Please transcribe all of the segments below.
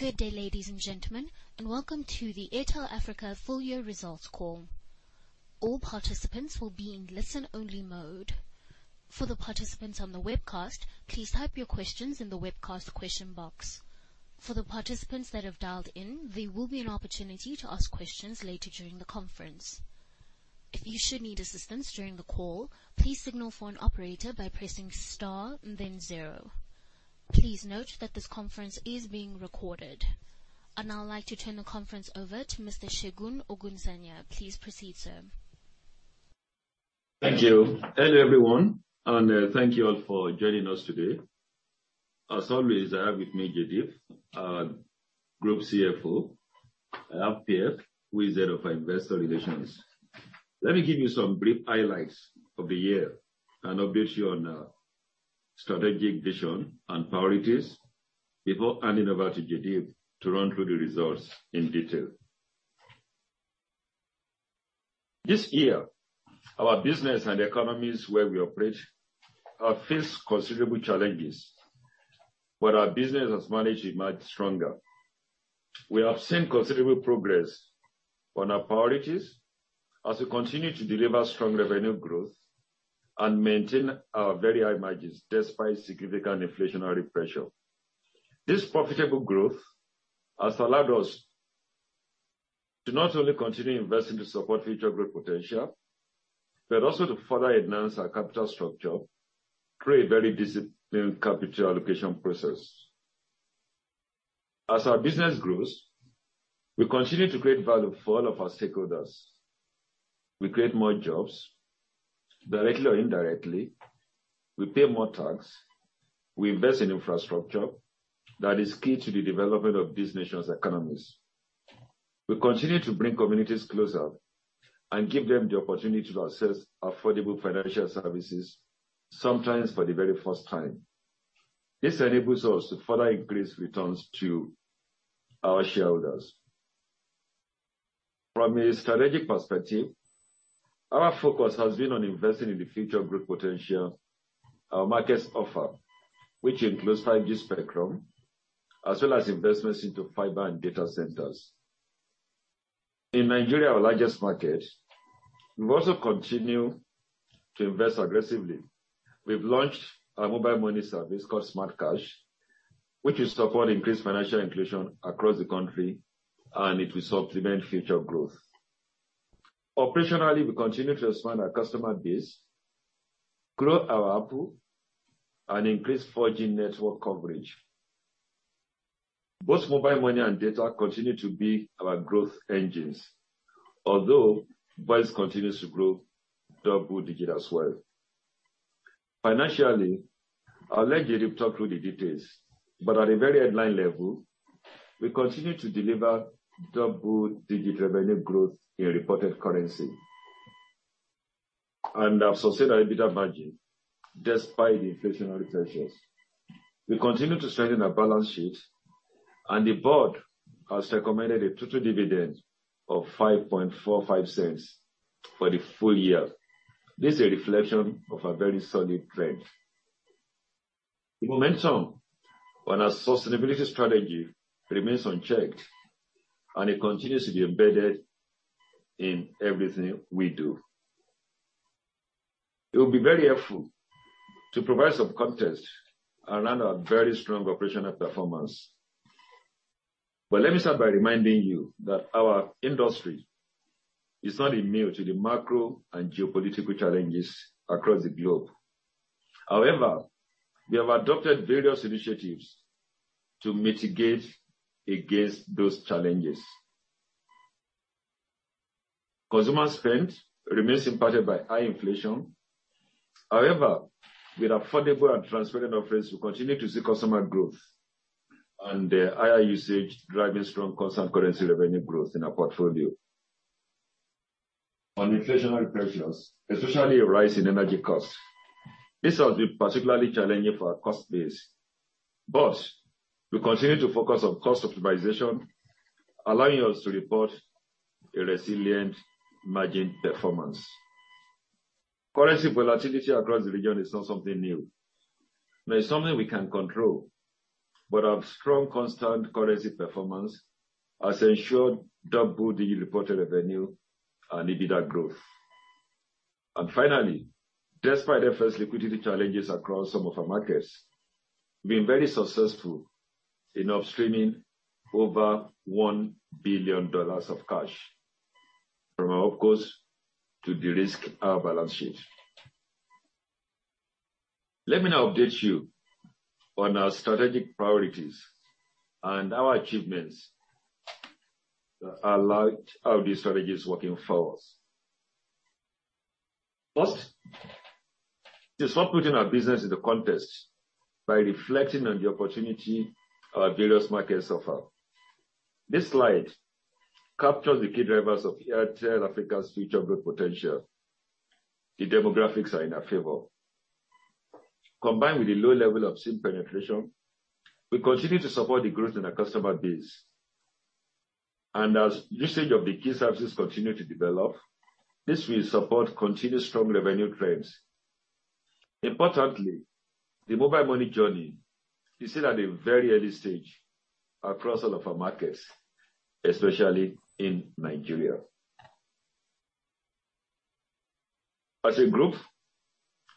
Good day, ladies and gentlemen, welcome to the Airtel Africa full year results call. All participants will be in listen-only mode. For the participants on the webcast, please type your questions in the webcast question box. For the participants that have dialed in, there will be an opportunity to ask questions later during the conference. If you should need assistance during the call, please signal for an operator by pressing star and then zero. Please note that this conference is being recorded. I'd like to turn the conference over to Mr. Segun Ogunsanya. Please proceed, sir. Thank you. Hello, everyone, and thank you all for joining us today. As always, I have with me Jaideep, our Group CFO. I have Pierre, who is Head of Investor Relations. Let me give you some brief highlights of the year and update you on our strategic vision and priorities before handing over to Jaideep to run through the results in detail. This year, our business and the economies where we operate have faced considerable challenges, but our business has managed it much stronger. We have seen considerable progress on our priorities as we continue to deliver strong revenue growth and maintain our very high margins despite significant inflationary pressure. This profitable growth has allowed us to not only continue investing to support future growth potential, but also to further enhance our capital structure through a very disciplined capital allocation process. As our business grows, we continue to create value for all of our stakeholders. We create more jobs, directly or indirectly. We pay more tax. We invest in infrastructure that is key to the development of these nations' economies. We continue to bring communities closer and give them the opportunity to access affordable financial services, sometimes for the very first time. This enables us to further increase returns to our shareholders. From a strategic perspective, our focus has been on investing in the future group potential our markets offer, which includes 5G spectrum, as well as investments into fiber and data centers. In Nigeria, our largest market, we've also continued to invest aggressively. We've launched our mobile money service called SmartCash, which will support increased financial inclusion across the country and it will supplement future growth. Operationally, we continue to expand our customer base, grow our ARPU, and increase 4G network coverage. Both mobile money and data continue to be our growth engines, although voice continues to grow double-digit as well. Financially, I'll let Jaideep talk through the details, but at a very headline level, we continue to deliver double-digit revenue growth in reported currency and have sustained our EBITDA margin despite the inflationary pressures. We continue to strengthen our balance sheet and the board has recommended a total dividend of $0.0545 for the full year. This is a reflection of our very solid trend. The momentum on our sustainability strategy remains unchecked, and it continues to be embedded in everything we do. It will be very helpful to provide some context around our very strong operational performance. Let me start by reminding you that our industry is not immune to the macro and geopolitical challenges across the globe. We have adopted various initiatives to mitigate against those challenges. Consumer spend remains impacted by high inflation. With affordable and transparent offers, we continue to see customer growth and higher usage driving strong constant currency revenue growth in our portfolio. On inflationary pressures, especially a rise in energy costs, this has been particularly challenging for our cost base. We continue to focus on cost optimization, allowing us to report a resilient margin performance. Currency volatility across the region is not something new, nor is something we can control. Our strong constant currency performance has ensured double-digit reported revenue and EBITDA growth. Finally, despite the first liquidity challenges across some of our markets, we've been very successful in upstreaming over $1 billion of cash from our OpCos to de-risk our balance sheet. Let me now update you on our strategic priorities and our achievements that highlight how this strategy is working for us. First, to start putting our business into context by reflecting on the opportunity our various markets offer. This slide captures the key drivers of Airtel Africa's future growth potential. The demographics are in our favor. Combined with the low level of SIM penetration, we continue to support the growth in our customer base. As usage of the key services continue to develop, this will support continued strong revenue trends. Importantly, the mobile money journey is still at a very early stage across all of our markets, especially in Nigeria. As a group,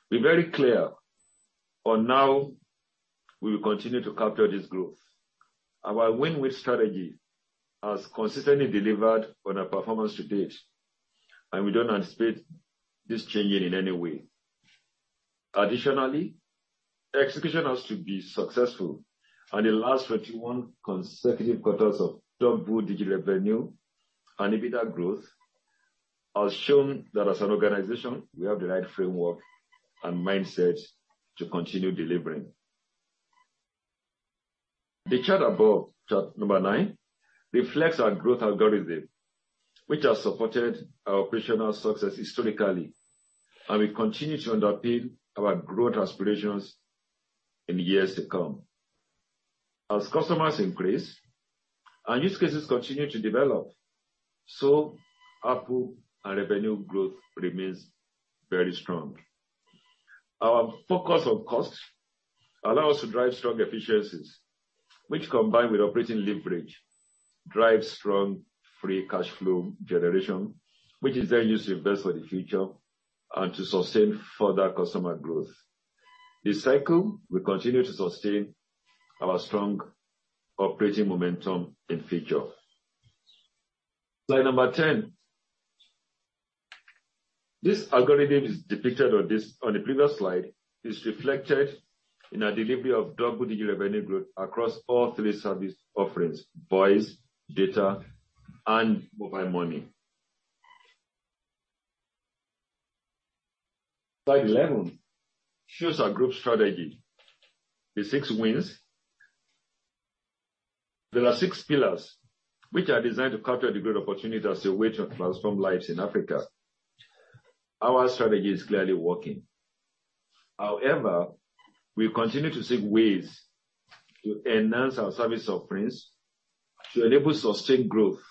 we're very clear on how we will continue to capture this growth. Our win-win strategy has consistently delivered on our performance to date, and we don't anticipate this changing in any way. Additionally, execution has to be successful. The last 41 consecutive quarters of double-digit revenue and EBITDA growth has shown that as an organization, we have the right framework and mindset to continue delivering. The chart above, chart number 9, reflects our growth algorithm, which has supported our operational success historically, and will continue to underpin our growth aspirations in years to come. As customers increase and use cases continue to develop, ARPU and revenue growth remains very strong. Our focus on costs allow us to drive strong efficiencies, which combined with operating leverage, drives strong free cash flow generation, which is then used to invest for the future and to sustain further customer growth. This cycle will continue to sustain our strong operating momentum in future. Slide number 10. This algorithm is depicted on the previous slide, is reflected in our delivery of double-digit revenue growth across all three service offerings, voice, data, and mobile money. Slide 11 shows our group strategy. The six wins. There are six pillars which are designed to capture the growth opportunity as a way to transform lives in Africa. Our strategy is clearly working. However, we continue to seek ways to enhance our service offerings to enable sustained growth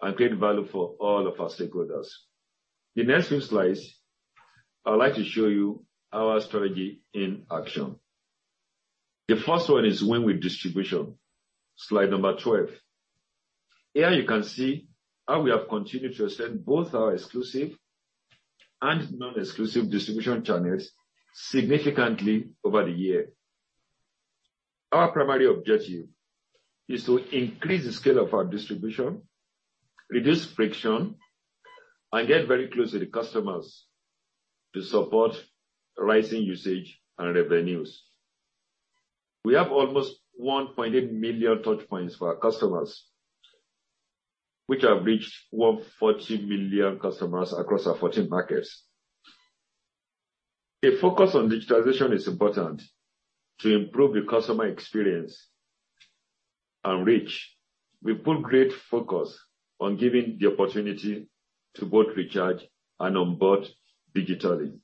and create value for all of our stakeholders. The next few slides, I would like to show you our strategy in action. The first one is win with distribution. Slide 12. Here you can see how we have continued to extend both our exclusive and non-exclusive distribution channels significantly over the year. Our primary objective is to increase the scale of our distribution, reduce friction, and get very close to the customers to support rising usage and revenues. We have almost 1.8 million touch points for our customers, which have reached over 40 million customers across our 14 markets. A focus on digitization is important to improve the customer experience and reach. We put great focus on giving the opportunity to both recharge and onboard digitally.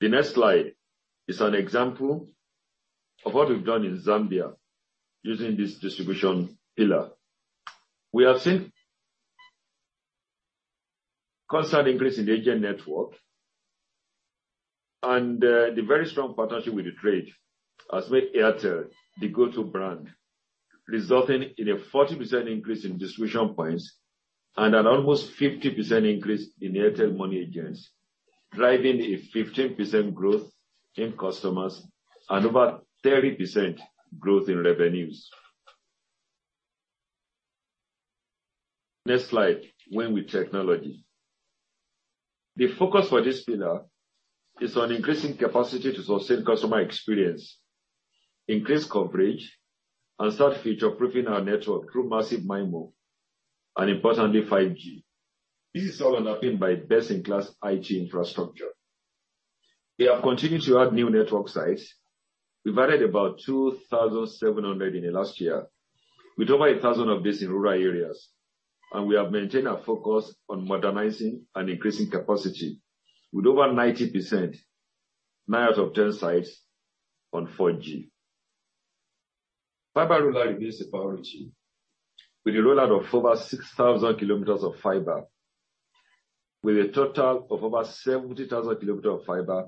The next slide is an example of what we've done in Zambia using this distribution pillar. We have seen constant increase in agent network, and the very strong partnership with the trade has made Airtel the go-to brand, resulting in a 40% increase in distribution points and an almost 50% increase in Airtel Money agents, driving a 15% growth in customers and over 30% growth in revenues. Next slide, win with technology. The focus for this pillar is on increasing capacity to sustain customer experience, increase coverage, and start future-proofing our network through Massive MIMO and importantly, 5G. This is all underpinned by best-in-class IT infrastructure. We have continued to add new network sites. We've added about 2,700 in the last year, with over 1,000 of these in rural areas. We have maintained our focus on modernizing and increasing capacity. With over 90%, 9 out of 10 sites on 4G. Fiber rollout remains a priority. With the rollout of over 6,000 km of fiber with a total of over 70,000 km of fiber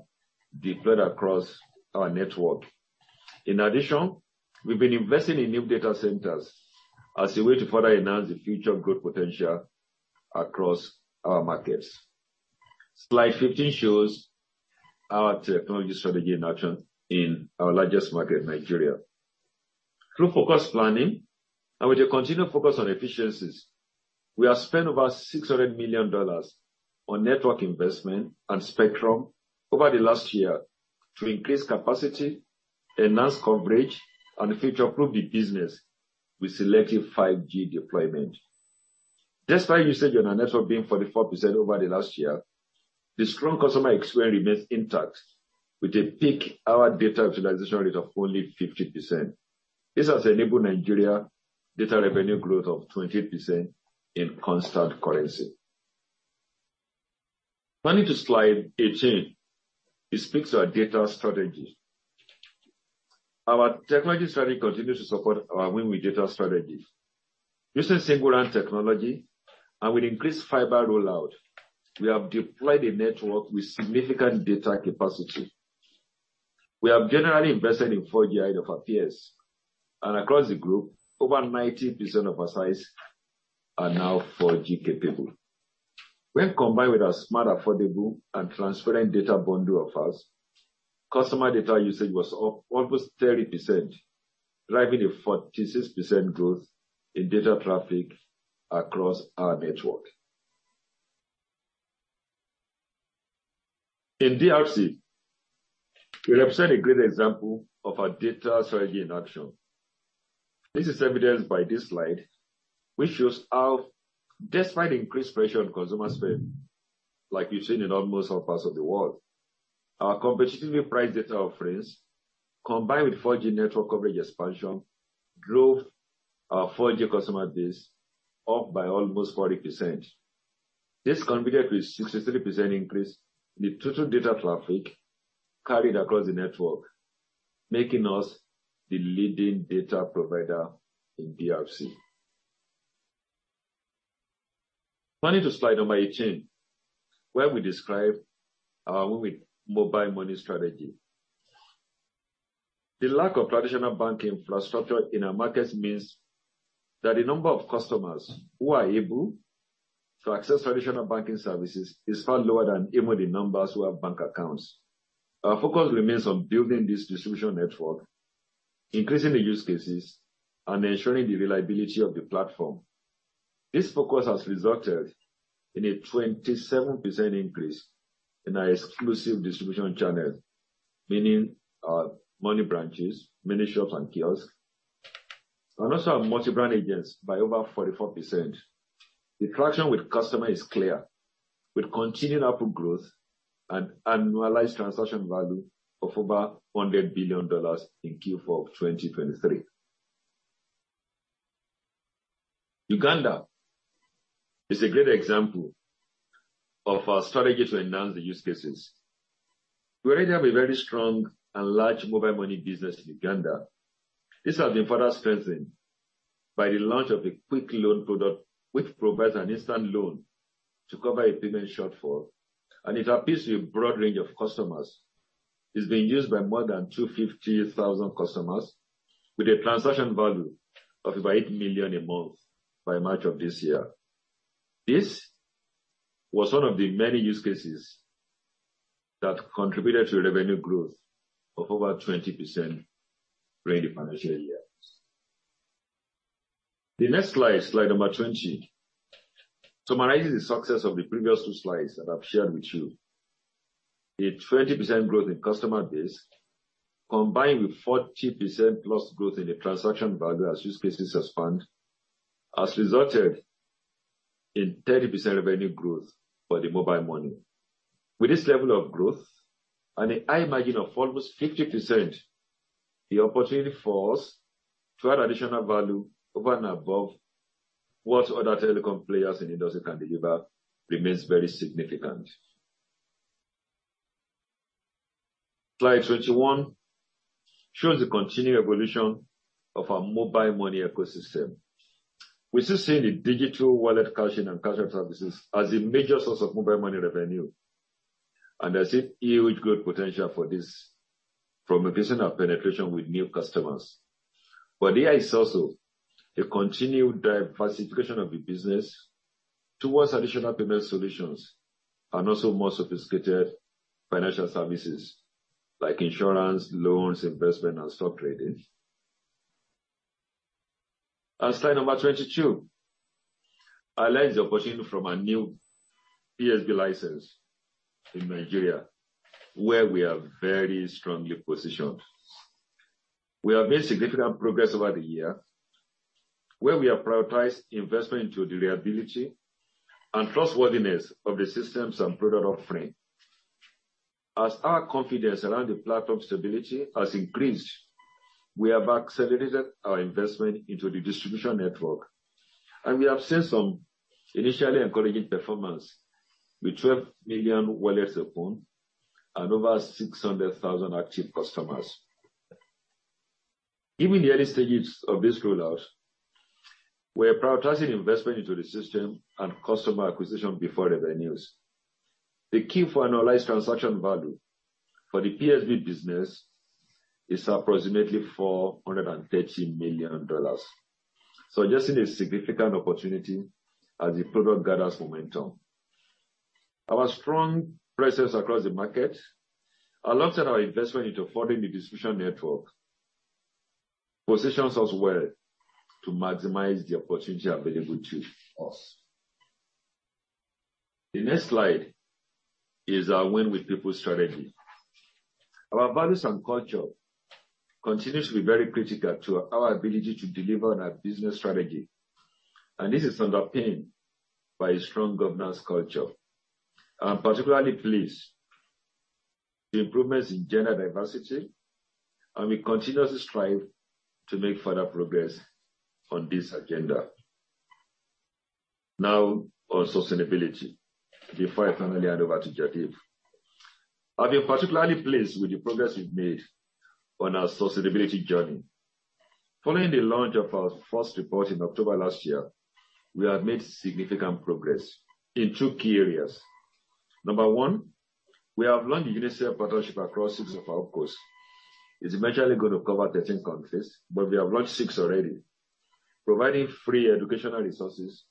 deployed across our network. In addition, we've been investing in new data centers as a way to further enhance the future growth potential across our markets. Slide 15 shows our technology strategy in action in our largest market, Nigeria. Through focused planning and with a continued focus on efficiencies, we have spent over $600 million on network investment and spectrum over the last year to increase capacity, enhance coverage, and future-proof the business with selective 5G deployment. Despite usage on our network being 44% over the last year, the strong customer experience remains intact with a peak hour data utilization rate of only 50%. This has enabled Nigeria data revenue growth of 20% in constant currency. Moving to slide 18. It speaks to our data strategy. Our technology strategy continues to support our win with data strategy. Using Single RAN technology and with increased fiber rollout, we have deployed a network with significant data capacity. We have generally invested in 4G ahead of our peers and across the group, over 90% of our sites are now 4G capable. When combined with our smart, affordable, and transparent data bundle offers, customer data usage was up almost 30%, driving a 46% growth in data traffic across our network. In DRC, we represent a great example of our data strategy in action. This is evidenced by this slide, which shows how despite increased pressure on consumer spend, like you've seen in almost all parts of the world, our competitively priced data offerings, combined with 4G network coverage expansion, drove our 4G customer base up by almost 40%. This contributed to a 63% increase in the total data traffic carried across the network, making us the leading data provider in DRC. Moving to slide number 18, where we describe our win with mobile money strategy. The lack of traditional banking infrastructure in our markets means that the number of customers who are able to access traditional banking services is far lower than even the numbers who have bank accounts. Our focus remains on building this distribution network, increasing the use cases, and ensuring the reliability of the platform. This focus has resulted in a 27% increase in our exclusive distribution channels, meaning our money branches, mini shops and kiosks, and also our multi-brand agents by over 44%. The traction with customer is clear. With continued output growth and annualized transaction value of over $100 billion in Q4 of 2023. Uganda is a great example of our strategy to enhance the use cases. We already have a very strong and large mobile money business in Uganda. This has been further strengthened by the launch of the Quick Loan product, which provides an instant loan to cover a payment shortfall, and it appeals to a broad range of customers. It's being used by more than 250,000 customers with a transaction value of over $8 million a month by March of this year. This was one of the many use cases that contributed to revenue growth of over 20% for the financial year. The next slide number 20, summarizes the success of the previous two slides that I've shared with you. A 20% growth in customer base combined with 40%+ growth in the transaction value as use cases expand, has resulted in 30% revenue growth for the mobile money. With this level of growth and a high margin of almost 50%, the opportunity for us to add additional value over and above what other telecom players in the industry can deliver remains very significant. Slide 21 shows the continued evolution of our mobile money ecosystem. We still see the digital wallet caching and caching services as a major source of mobile money revenue. There's a huge growth potential for this from a business of penetration with new customers. There is also a continued diversification of the business towards additional payment solutions and also more sophisticated financial services like insurance, loans, investment, and stock trading. Slide number 22 highlights the opportunity from our new PSB license in Nigeria, where we are very strongly positioned. We have made significant progress over the year where we have prioritized investment into the reliability and trustworthiness of the systems and product offering. As our confidence around the platform stability has increased, we have accelerated our investment into the distribution network, and we have seen some initially encouraging performance with 12 million wallets opened and over 600,000 active customers. Given the early stages of this rollout, we are prioritizing investment into the system and customer acquisition before revenues. The key for annualized transaction value for the PSB business is approximately $413 million. Suggesting a significant opportunity as the product gathers momentum. Our strong presence across the market, alongside our investment into forwarding the distribution network, positions us well to maximize the opportunity available to us. The next slide is our win with people strategy. Our values and culture continues to be very critical to our ability to deliver on our business strategy. This is underpinned by a strong governance culture. Improvements in gender diversity, and we continuously strive to make further progress on this agenda. Now on sustainability, before I finally hand over to Jaideep. I've been particularly pleased with the progress we've made on our sustainability journey. Following the launch of our first report in October last year, we have made significant progress in two key areas. Number one, we have launched a UNICEF partnership across six of our courses. It's eventually going to cover 13 countries, but we have launched 6 already. Providing free educational resources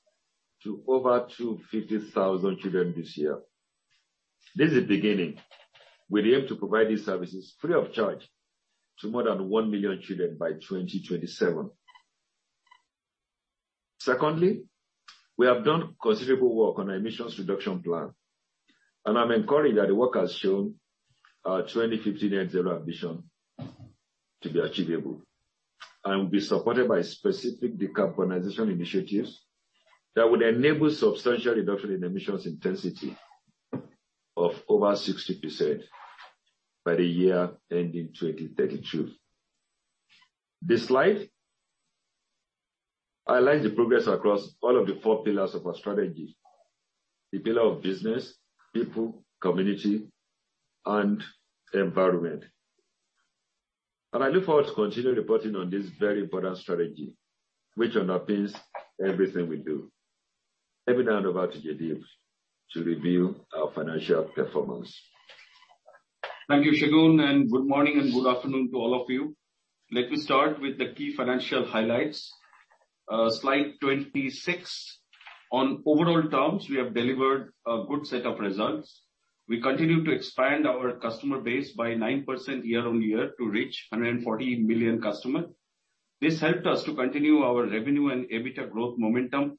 to over 250,000 children this year. This is the beginning. We're here to provide these services free of charge to more than 1 million children by 2027. Secondly, we have done considerable work on our emissions reduction plan, and I'm encouraged that the work has shown our 2050 net zero emission to be achievable and will be supported by specific decarbonization initiatives that would enable substantial reduction in emissions intensity of over 60% by the year ending 2032. This slide highlights the progress across all of the four pillars of our strategy. The pillar of business, people, community, and environment. I look forward to continue reporting on this very important strategy, which underpins everything we do. Let me now hand over to Jaideep to review our financial performance. Thank you, Segun. Good morning and good afternoon to all of you. Let me start with the key financial highlights. Slide 26. On overall terms, we have delivered a good set of results. We continue to expand our customer base by 9% year-on-year to reach 140 million customer. This helped us to continue our revenue and EBITDA growth momentum.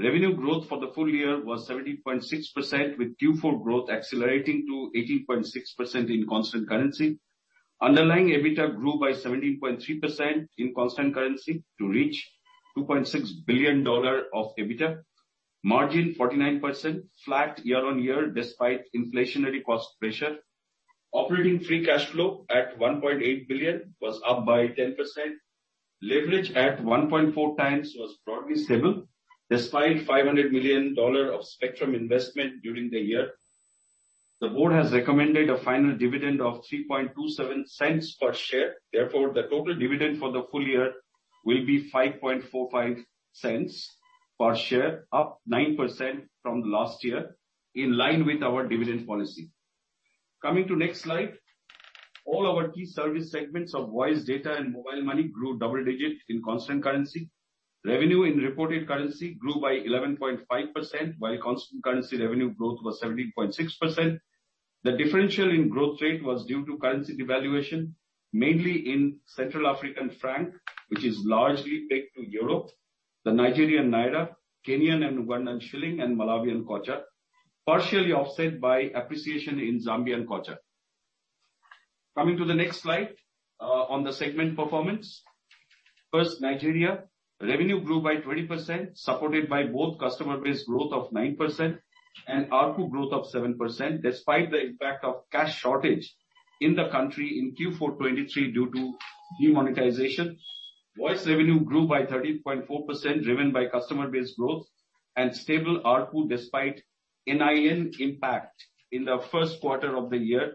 Revenue growth for the full year was 17.6%, with Q4 growth accelerating to 18.6% in constant currency. Underlying EBITDA grew by 17.3% in constant currency to reach $2.6 billion of EBITDA. Margin 49%, flat year-on-year despite inflationary cost pressure. Operating free cash flow at $1.8 billion was up by 10%. Leverage at 1.4x was broadly stable, despite $500 million of spectrum investment during the year. The board has recommended a final dividend of $0.0327 per share. The total dividend for the full year will be $0.0545 per share, up 9% from last year, in line with our dividend policy. Coming to next slide. All our key service segments of voice data and mobile money grew double digits in constant currency. Revenue in reported currency grew by 11.5%, while constant currency revenue growth was 17.6%. The differential in growth rate was due to currency devaluation, mainly in Central African franc, which is largely pegged to Europe, the Nigerian naira, Kenyan and Rwandan shilling and Malawian kwacha, partially offset by appreciation in Zambian kwacha. Coming to the next slide on the segment performance. First, Nigeria. Revenue grew by 20%, supported by both customer base growth of 9% and ARPU growth of 7%, despite the impact of cash shortage in the country in Q4 2023 due to demonetization. Voice revenue grew by 13.4%, driven by customer base growth and stable ARPU despite NIN impact in the first quarter of the year.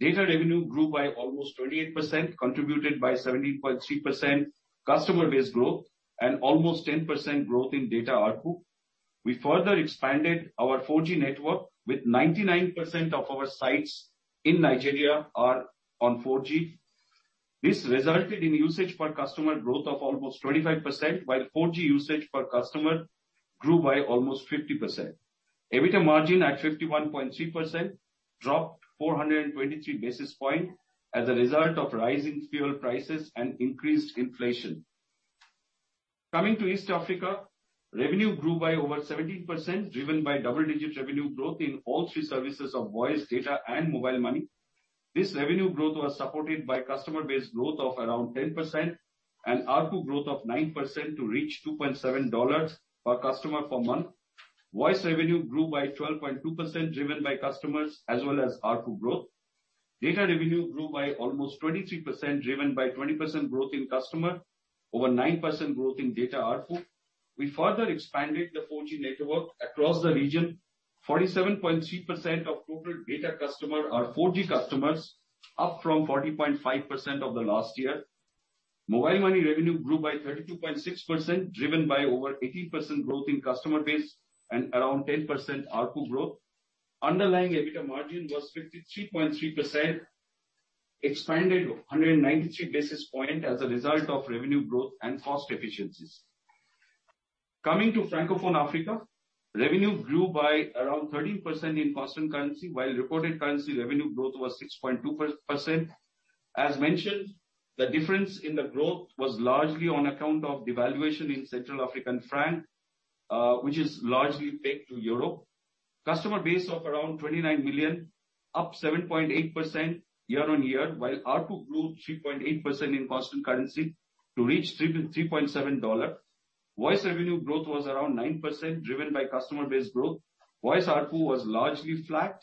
Data revenue grew by almost 28%, contributed by 17.3% customer base growth and almost 10% growth in data ARPU. We further expanded our 4G network with 99% of our sites in Nigeria are on 4G. This resulted in usage per customer growth of almost 25%, while 4G usage per customer grew by almost 50%. EBITDA margin at 51.3% dropped 423 basis points as a result of rising fuel prices and increased inflation. Coming to East Africa, revenue grew by over 17%, driven by double-digit revenue growth in all three services of voice, data, and mobile money. This revenue growth was supported by customer base growth of around 10% and ARPU growth of 9% to reach $2.7 per customer per month. Voice revenue grew by 12.2%, driven by customers as well as ARPU growth. Data revenue grew by almost 23%, driven by 20% growth in customer, over 9% growth in data ARPU. We further expanded the 4G network across the region. 47.3% of total data customer are 4G customers, up from 40.5% of the last year. Mobile money revenue grew by 32.6%, driven by over 80% growth in customer base and around 10% ARPU growth. Underlying EBITDA margin was 53.3%, expanded 193 basis points as a result of revenue growth and cost efficiencies. Coming to Francophone Africa, revenue grew by around 13% in constant currency, while reported currency revenue growth was 6.2%. Mentioned, the difference in the growth was largely on account of devaluation in Central African franc, which is largely pegged to EUR. Customer base of around 29 million, up 7.8% year-on-year, while ARPU grew 3.8% in constant currency to reach $3.7. Voice revenue growth was around 9%, driven by customer base growth. Voice ARPU was largely flat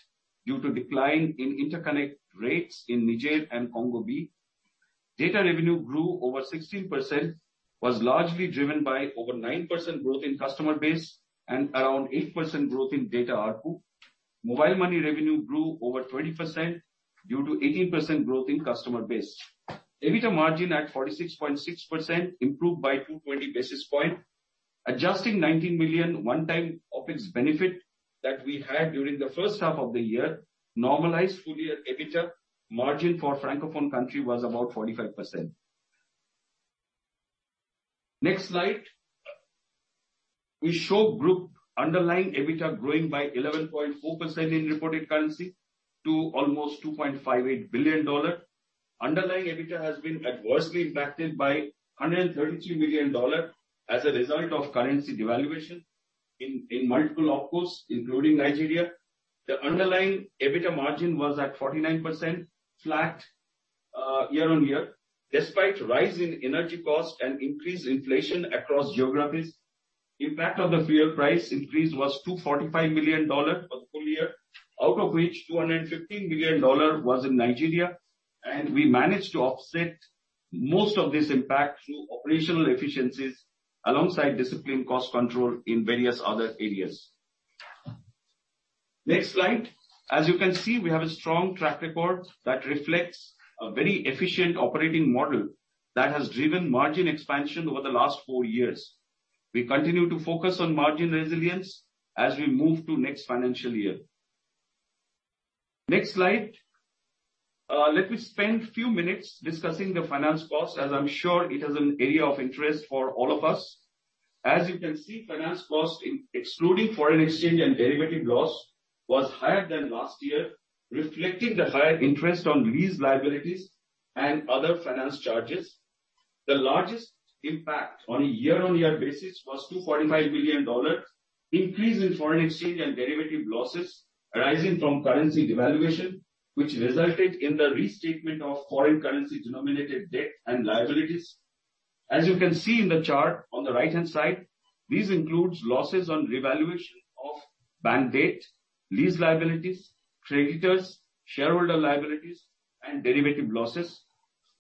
due to decline in interconnect rates in Niger and Congo B. Data revenue grew over 16%, was largely driven by over 9% growth in customer base and around 8% growth in data ARPU. Mobile money revenue grew over 20% due to 18% growth in customer base. EBITDA margin at 46.6%, improved by 220 basis points. Adjusting $19 million one time OPEX benefit that we had during the first half of the year, normalized full year EBITDA margin for Francophone country was about 45%. Next slide. We show group underlying EBITDA growing by 11.4% in reported currency to almost $2.58 billion. Underlying EBITDA has been adversely impacted by $133 million as a result of currency devaluation in multiple OpCos, including Nigeria. The underlying EBITDA margin was at 49%, flat, year-on-year, despite rise in energy cost and increased inflation across geographies. Impact of the fuel price increase was $245 million for the full year, out of which $215 million was in Nigeria. We managed to offset most of this impact through operational efficiencies alongside disciplined cost control in various other areas. Next slide. As you can see, we have a strong track record that reflects a very efficient operating model that has driven margin expansion over the last four years. We continue to focus on margin resilience as we move to next financial year. Next slide. Let me spend a few minutes discussing the finance cost, as I'm sure it is an area of interest for all of us. As you can see, finance cost in excluding foreign exchange and derivative loss was higher than last year, reflecting the higher interest on lease liabilities and other finance charges. The largest impact on a year-on-year basis was a $245 billion increase in foreign exchange and derivative losses arising from currency devaluation, which resulted in the restatement of foreign currency denominated debt and liabilities. As you can see in the chart on the right-hand side, this includes losses on revaluation of bank debt, lease liabilities, creditors, shareholder liabilities, and derivative losses.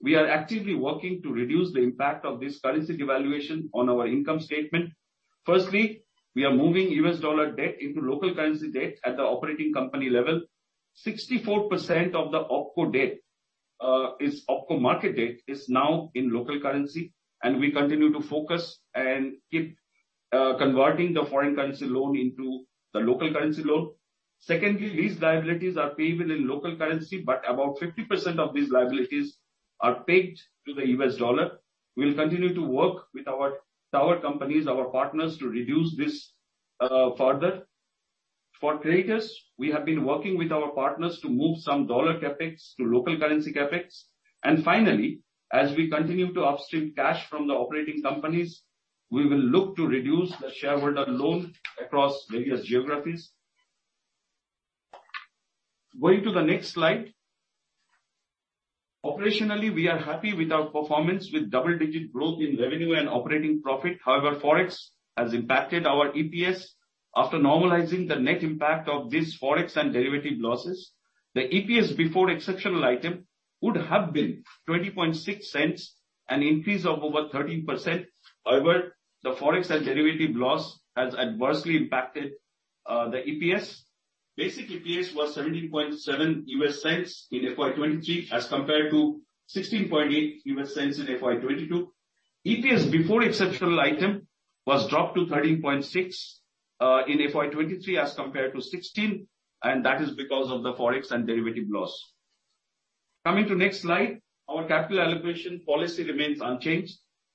We are actively working to reduce the impact of this currency devaluation on our income statement. Firstly, we are moving U.S. dollar debt into local currency debt at the operating company level. 64% of the OpCo debt is OpCo market debt, is now in local currency, and we continue to focus and keep converting the foreign currency loan into the local currency loan. Secondly, these liabilities are paid within local currency, but about 50% of these liabilities are pegged to the US dollar. We'll continue to work with our companies, our partners, to reduce this further. For creditors, we have been working with our partners to move some dollar CapEx to local currency CapEx. Finally, as we continue to upstream cash from the operating companies, we will look to reduce the shareholder loan across various geographies. Going to the next slide. Operationally, we are happy with our performance with double-digit growth in revenue and operating profit. However, Forex has impacted our EPS. After normalizing the net impact of this Forex and derivative losses, the EPS before exceptional item would have been $0.206, an increase of over 13%. The Forex and derivative loss has adversely impacted the EPS. Basic EPS was $0.177 in FY 2023 as compared to $0.168 in FY 2022. EPS before exceptional item was dropped to $0.136 in FY 2023 as compared to $0.16. That is because of the Forex and derivative loss. Coming to next slide. Our capital allocation policy remains unchanged.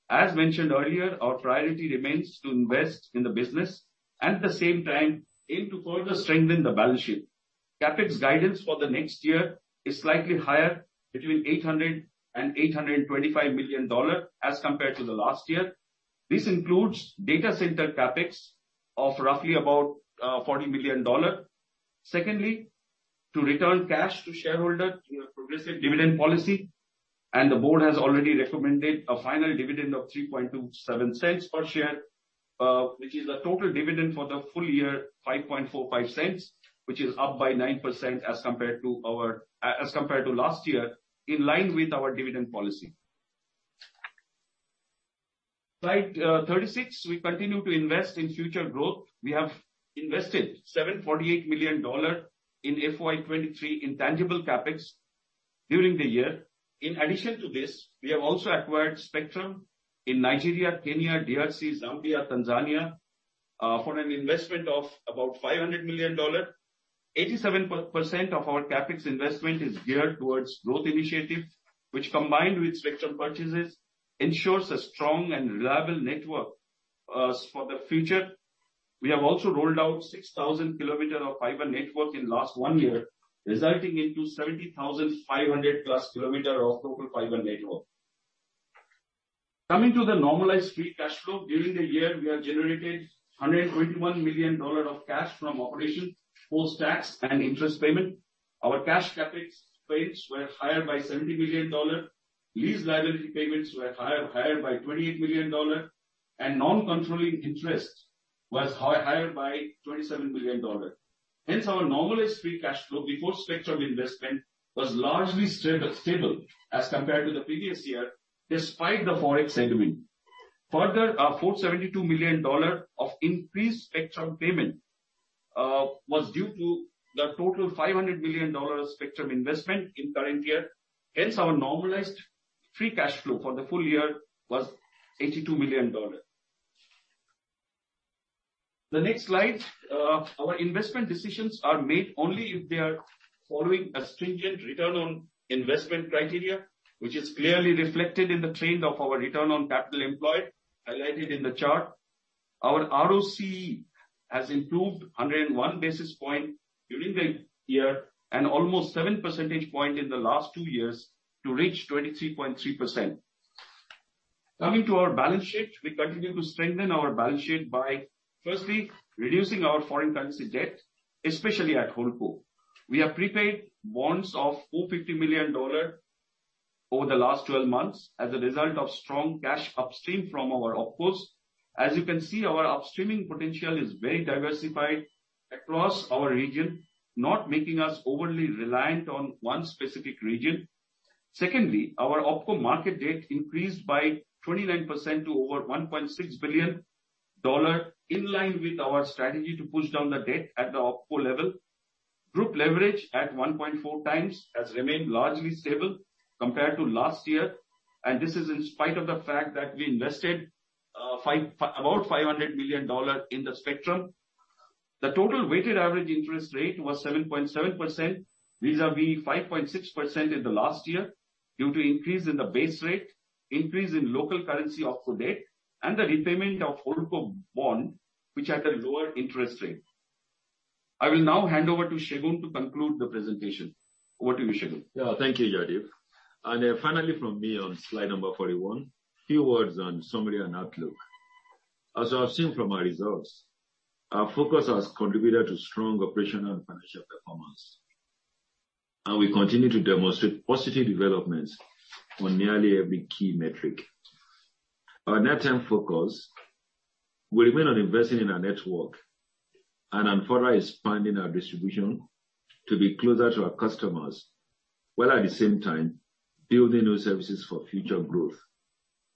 As mentioned earlier, our priority remains to invest in the business, at the same time aim to further strengthen the balance sheet. CapEx guidance for the next year is slightly higher, between $800 million and $825 million as compared to the last year. This includes data center CapEx of roughly about $40 million. Secondly, to return cash to shareholder through a progressive dividend policy. The board has already recommended a final dividend of $0.0327 per share, which is a total dividend for the full year, $0.0545, which is up by 9% as compared to last year, in line with our dividend policy. Slide 36, we continue to invest in future growth. We have invested $748 million in FY 2023 in tangible CapEx during the year. In addition to this, we have also acquired spectrum in Nigeria, Kenya, DRC, Zambia, Tanzania, for an investment of about $500 million. 87% of our CapEx investment is geared towards growth initiatives, which combined with spectrum purchases ensures a strong and reliable network for the future. We have also rolled out 6,000 km of fiber network in last one year, resulting into 70,500+ km of total fiber network. Coming to the normalized free cash flow. During the year, we have generated $121 million of cash from operation, post-tax and interest payment. Our cash CapEx pays were higher by $70 million. Lease liability payments were higher by $28 million. Non-controlling interest was higher by $27 million. Our normalized free cash flow before spectrum investment was largely stable as compared to the previous year despite the Forex segment. Our $472 million of increased spectrum payment was due to the total $500 million spectrum investment in current year. Our normalized free cash flow for the full year was $82 million. The next slide. Our investment decisions are made only if they are following a stringent return on investment criteria, which is clearly reflected in the trend of our return on capital employed highlighted in the chart. Our ROC has improved 101 basis points during the year and almost 7 percentage points in the last 2 years to reach 23.3%. We continue to strengthen our balance sheet by firstly reducing our foreign currency debt, especially at Holdco. We have prepaid bonds of $450 million over the last 12 months as a result of strong cash upstream from our OpCos. As you can see, our upstreaming potential is very diversified across our region, not making us overly reliant on one specific region. Secondly, our OpCo market debt increased by 29% to over $1.6 billion, in line with our strategy to push down the debt at the OpCo level. Group leverage at 1.4x has remained largely stable compared to last year, this is in spite of the fact that we invested about $500 million in the spectrum. The total weighted average interest rate was 7.7% vis-à-vis 5.6% in the last year due to increase in the base rate, increase in local currency OpCo debt, and the repayment of Holdco bond, which had a lower interest rate. I will now hand over to Segun to conclude the presentation. Over to you, Segun. Yeah. Thank you, Jaideep. Finally from me on slide number 41, few words on summary and outlook. As you have seen from our results, our focus has contributed to strong operational and financial performance, we continue to demonstrate positive developments on nearly every key metric. Our net term focus will remain on investing in our network and on further expanding our distribution to be closer to our customers, while at the same time building new services for future growth,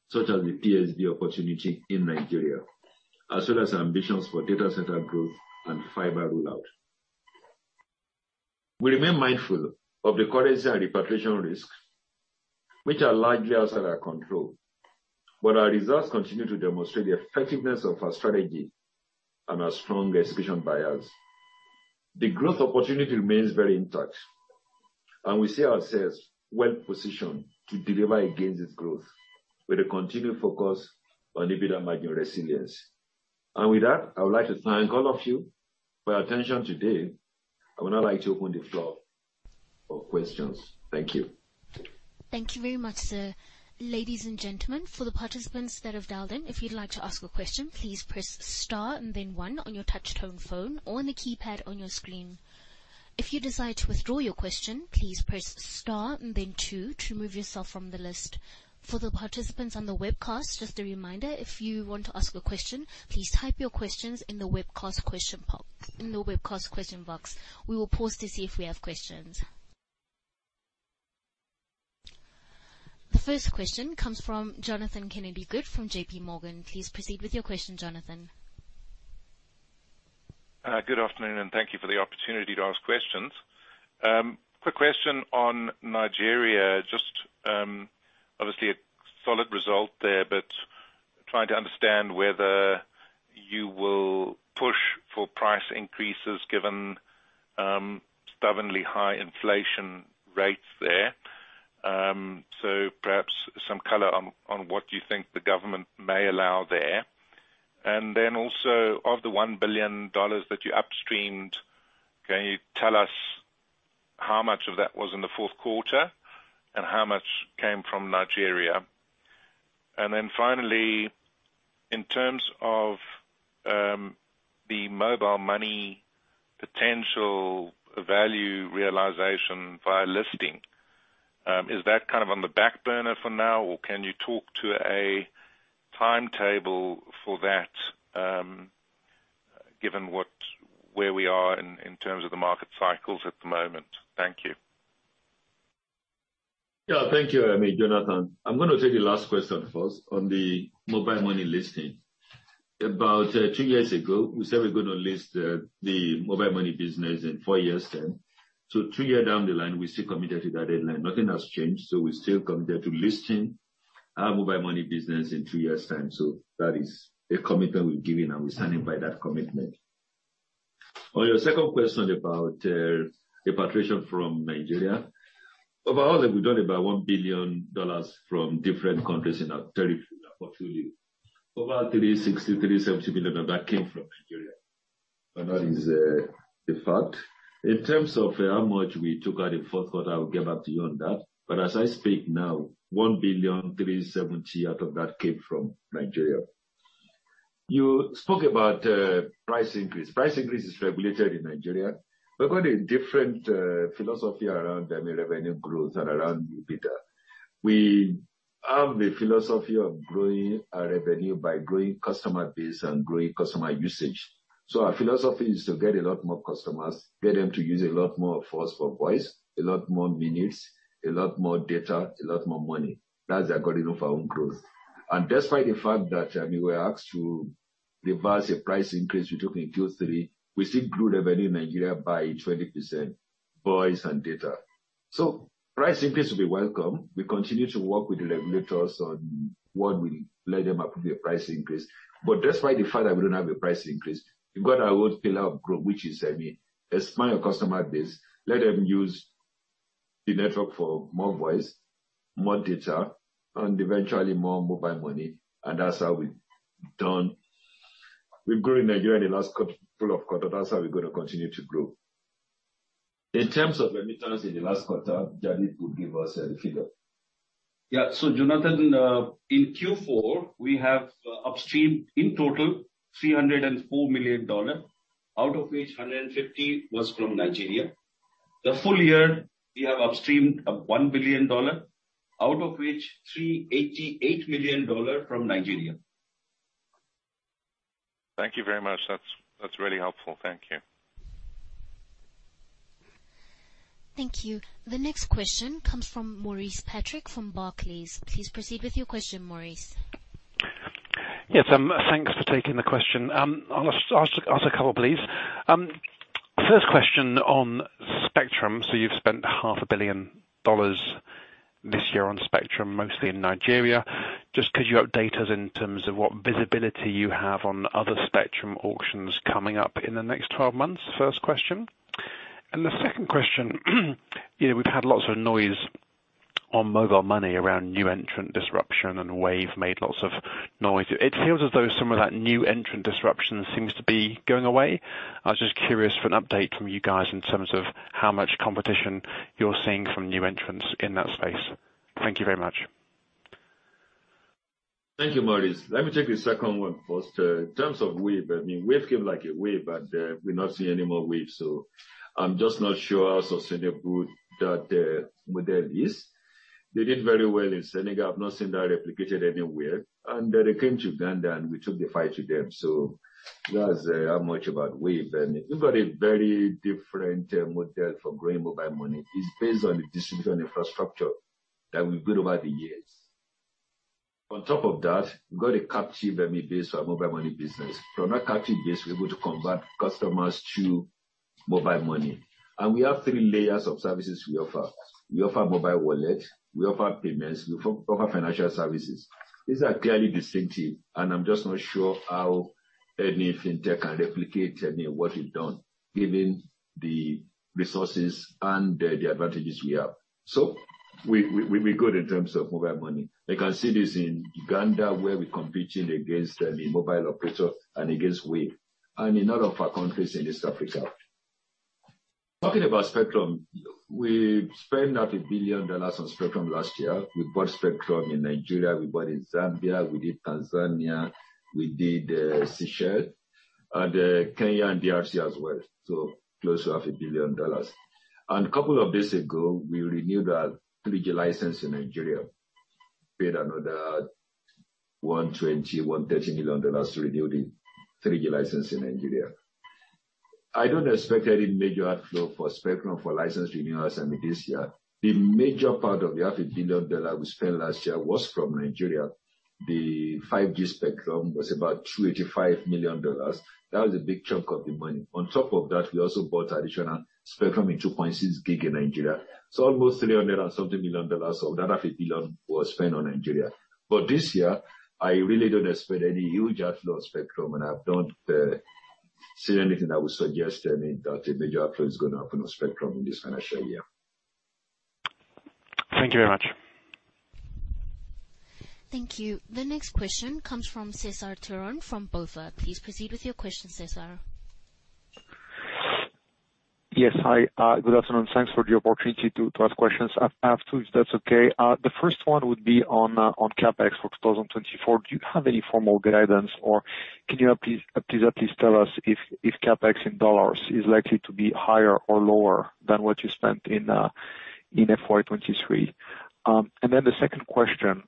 such as the PSB opportunity in Nigeria, as well as ambitions for data center growth and fiber rollout. We remain mindful of the currency and repatriation risk, which are largely outside our control, our results continue to demonstrate the effectiveness of our strategy and our strong execution by us. The growth opportunity remains very intact, and we see ourselves well positioned to deliver against this growth with a continued focus on EBITDA margin resilience. With that, I would like to thank all of you for your attention today. I would now like to open the floor for questions. Thank you. Thank you very much, sir. Ladies and gentlemen, for the participants that have dialed in, if you'd like to ask a question, please press star and then one on your touchtone phone or on the keypad on your screen. If you decide to withdraw your question, please press star and then two to remove yourself from the list. For the participants on the webcast, just a reminder, if you want to ask a question, please type your questions in the webcast question box. We will pause to see if we have questions. The first question comes from Jonathan Kennedy-Good from JPMorgan. Please proceed with your question, Jonathan. Good afternoon. Thank you for the opportunity to ask questions. Quick question on Nigeria. Just obviously a solid result there, but trying to understand whether you will push for price increases given stubbornly high inflation rates there. Perhaps some color on what you think the government may allow there. Also, of the $1 billion that you up-streamed, can you tell us how much of that was in the fourth quarter and how much came from Nigeria? Finally, in terms of the mobile money potential value realization via listing, is that kind of on the back burner for now, or can you talk to a timetable for that, given where we are in terms of the market cycles at the moment? Thank you. Thank you, I mean, Jonathan. I'm gonna take your last question first on the mobile money listing. About 2 years ago, we said we're gonna list the mobile money business in 4 years then. 2 year down the line, we're still committed to that deadline. Nothing has changed. We're still committed to listing our mobile money business in 2 years' time. That is a commitment we've given, and we're standing by that commitment. On your second question about repatriation from Nigeria. We've done about $1 billion from different countries in our 30 portfolio. About $360 million-$370 million of that came from Nigeria. That is a fact. In terms of how much we took out in fourth quarter, I will get back to you on that. As I speak now, $1.37 billion out of that came from Nigeria. You spoke about price increase. Price increase is regulated in Nigeria. We've got a different philosophy around, I mean, revenue growth and around data. We have the philosophy of growing our revenue by growing customer base and growing customer usage. Our philosophy is to get a lot more customers, get them to use a lot more of voice for voice, a lot more minutes, a lot more data, a lot more money. That's the according of our own growth. Despite the fact that, I mean, we were asked to revise a price increase we took in Q3, we still grew revenue in Nigeria by 20%, voice and data. Price increase will be welcome. We continue to work with the regulators on when we let them approve the price increase. Despite the fact that we don't have a price increase, we've got our own pillar of growth, which is, I mean, a smaller customer base. Let them use the network for more voice, more data and eventually more mobile money. That's how we've done. We've grown Nigeria in the last full of quarter. That's how we're gonna continue to grow. In terms of remittance in the last quarter, Jaideep Paul would give us a figure. Yeah. Jonathan, in Q4, we have upstream in total $304 million, out of which $150 million was from Nigeria. The full year we have upstream of $1 billion, out of which $388 million from Nigeria. Thank you very much. That's really helpful. Thank you. Thank you. The next question comes from Maurice Patrick from Barclays. Please proceed with your question, Maurice. Yes. Thanks for taking the question. I'll just ask a couple, please. First question on spectrum. You've spent half a billion dollars this year on spectrum, mostly in Nigeria. Just could you update us in terms of what visibility you have on other spectrum auctions coming up in the next 12 months? First question. The second question, you know, we've had lots of noise on mobile money around new entrant disruption and Wave made lots of noise. It feels as though some of that new entrant disruption seems to be going away. I was just curious for an update from you guys in terms of how much competition you're seeing from new entrants in that space. Thank you very much. Thank you, Maurice. Let me take the second one first. In terms of Wave, I mean Wave came like a wave, but we're not seeing any more waves, so I'm just not sure how sustainable that model is. They did very well in Senegal. I've not seen that replicated anywhere. They came to Uganda, and we took the fight to them. That's how much about Wave. We've got a very different model for growing mobile money. It's based on the distribution infrastructure that we've built over the years. On top of that, we've got a captive base for our mobile money business. From that captive base, we're able to convert customers to mobile money. We have three layers of services we offer. We offer mobile wallet, we offer payments, we offer financial services. These are clearly distinctive, I'm just not sure how any fintech can replicate, I mean, what we've done given the resources and the advantages we have. We're good in terms of mobile money. You can see this in Uganda where we're competing against the mobile operator and against Wave and in other of our countries in East Africa. Talking about spectrum, we spent half a billion dollars on spectrum last year. We bought spectrum in Nigeria, we bought in Zambia, we did Tanzania, we did Seychelles, and Kenya and DRC as well. Close to half a billion dollars. Couple of days ago we renewed our 3G license in Nigeria. Paid another $120 million-$130 million to renew the 3G license in Nigeria. I don't expect any major outflow for spectrum for license renewals, I mean, this year. The major part of the half a billion dollars we spent last year was from Nigeria. The 5G spectrum was about $285 million. That was a big chunk of the money. On top of that, we also bought additional spectrum in 2.6 GHz in Nigeria. Almost $300 and something million of that half a billion was spent on Nigeria. This year, I really don't expect any huge outflow of spectrum, and I've not seen anything that would suggest that a major outflow is gonna happen on spectrum in this financial year. Thank you very much. Thank you. The next question comes from Cesar Tiron from BofA. Please proceed with your question, Cesar. Yes. Hi, good afternoon. Thanks for the opportunity to ask questions. I have two, if that's okay. The first one would be on CapEx for 2024. Do you have any formal guidance or can you please at least tell us if CapEx in dollars is likely to be higher or lower than what you spent in FY 2023? The second question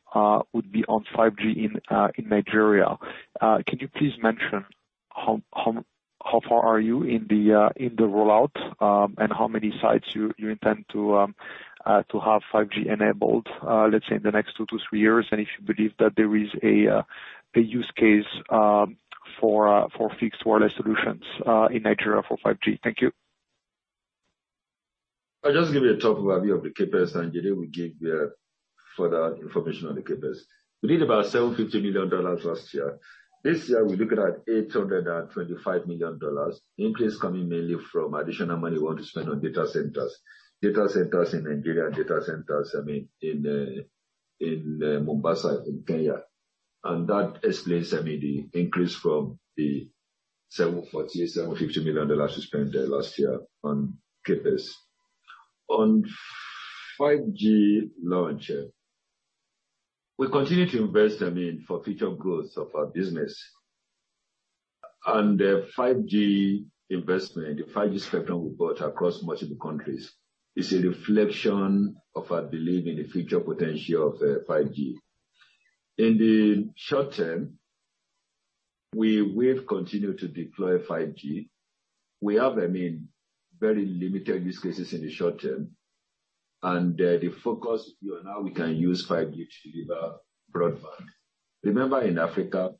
would be on 5G in Nigeria. Can you please mention how far are you in the rollout, and how many sites you intend to have 5G enabled, let's say in the next two to three years? If you believe that there is a use case for fixed wireless solutions in Nigeria for 5G. Thank you. I'll just give you a top overview of the CapEx, and Jaideep Paul will give the further information on the CapEx. We did about $750 million last year. This year we're looking at $825 million. Increase coming mainly from additional money we want to spend on data centers. Data centers in Nigeria, data centers, I mean, in Mombasa, in Kenya. That explains, I mean, the increase from the $740 million-$750 million we spent last year on CapEx. On 5G launch, we continue to invest, I mean, for future growth of our business. 5G investment, the 5G spectrum we bought across multiple countries is a reflection of our belief in the future potential of 5G. In the short term, we will continue to deploy 5G. We have, I mean, very limited use cases in the short term. The focus is on how we can use 5G to deliver broadband. Remember, in Africa,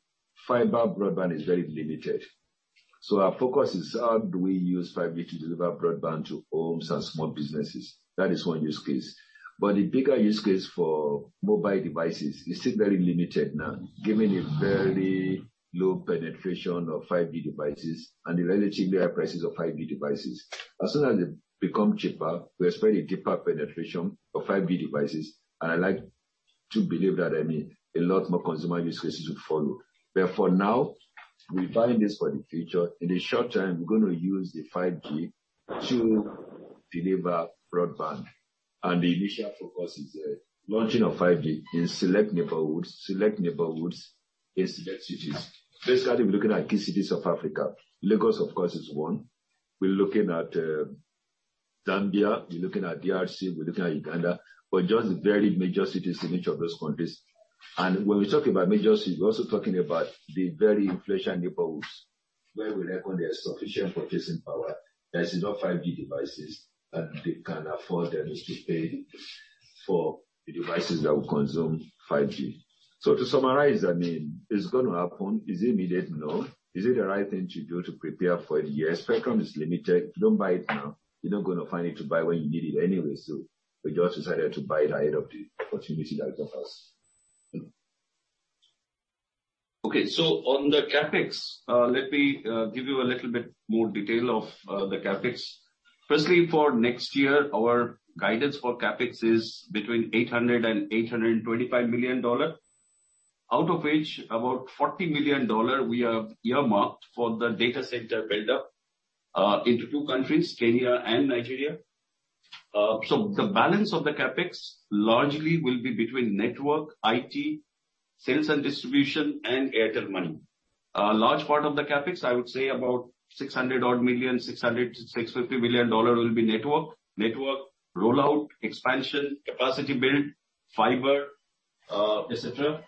fiber broadband is very limited. Our focus is how do we use 5G to deliver broadband to homes and small businesses? That is one use case. The bigger use case for mobile devices is still very limited now, given the very low penetration of 5G devices and the relatively high prices of 5G devices. As soon as they become cheaper, we expect a deeper penetration of 5G devices, and I like to believe that, I mean, a lot more consumer use cases will follow. For now, we're buying this for the future. In the short term, we're gonna use the 5G to deliver broadband, and the initial focus is launching of 5G in select neighborhoods, select neighborhoods in select cities. Basically, we're looking at key cities of Africa. Lagos, of course, is one. We're looking at Zambia, we're looking at DRC, we're looking at Uganda, but just the very major cities in each of those countries. When we're talking about major cities, we're also talking about the very inflationary neighborhoods where we reckon there's sufficient purchasing power. That is, not 5G devices, and they can afford at least to pay for the devices that will consume 5G. To summarize, I mean, it's gonna happen. Is it needed? No. Is it the right thing to do to prepare for it? Yes. Spectrum is limited. If you don't buy it now, you're not gonna find it to buy when you need it anyway. We just decided to buy it ahead of the opportunity that is offered us. Okay. On the CapEx, let me give you a little bit more detail of the CapEx. Firstly, for next year, our guidance for CapEx is between $800 million and $825 million, out of which about $40 million we have earmarked for the data center build-up into two countries, Kenya and Nigeria. The balance of the CapEx largely will be between network, IT, sales and distribution, and Airtel Money. A large part of the CapEx, I would say about $600 odd million, $600 million-$650 million will be network. Network rollout, expansion, capacity build, fiber, et cetera.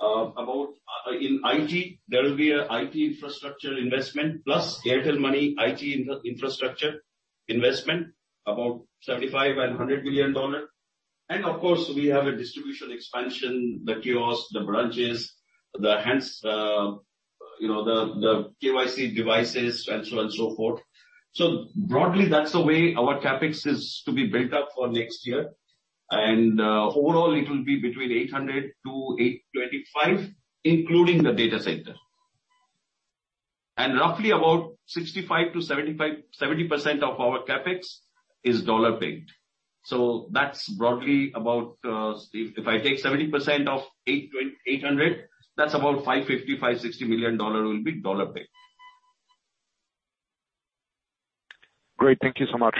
About in IT, there will be a IT infrastructure investment plus Airtel Money IT infrastructure investment, about $75 million and $100 million. Of course, we have a distribution expansion, the kiosk, the branches, the hands, you know, the KYC devices and so and so forth. Broadly, that's the way our CapEx is to be built up for next year. Overall, it will be between $800-$825, including the data center. Roughly about 65%-70% of our CapEx is dollar-based. That's broadly about, Steve, if I take 70% of $800, that's about $550 miliion-$560 million will be dollar-based. Great. Thank you so much.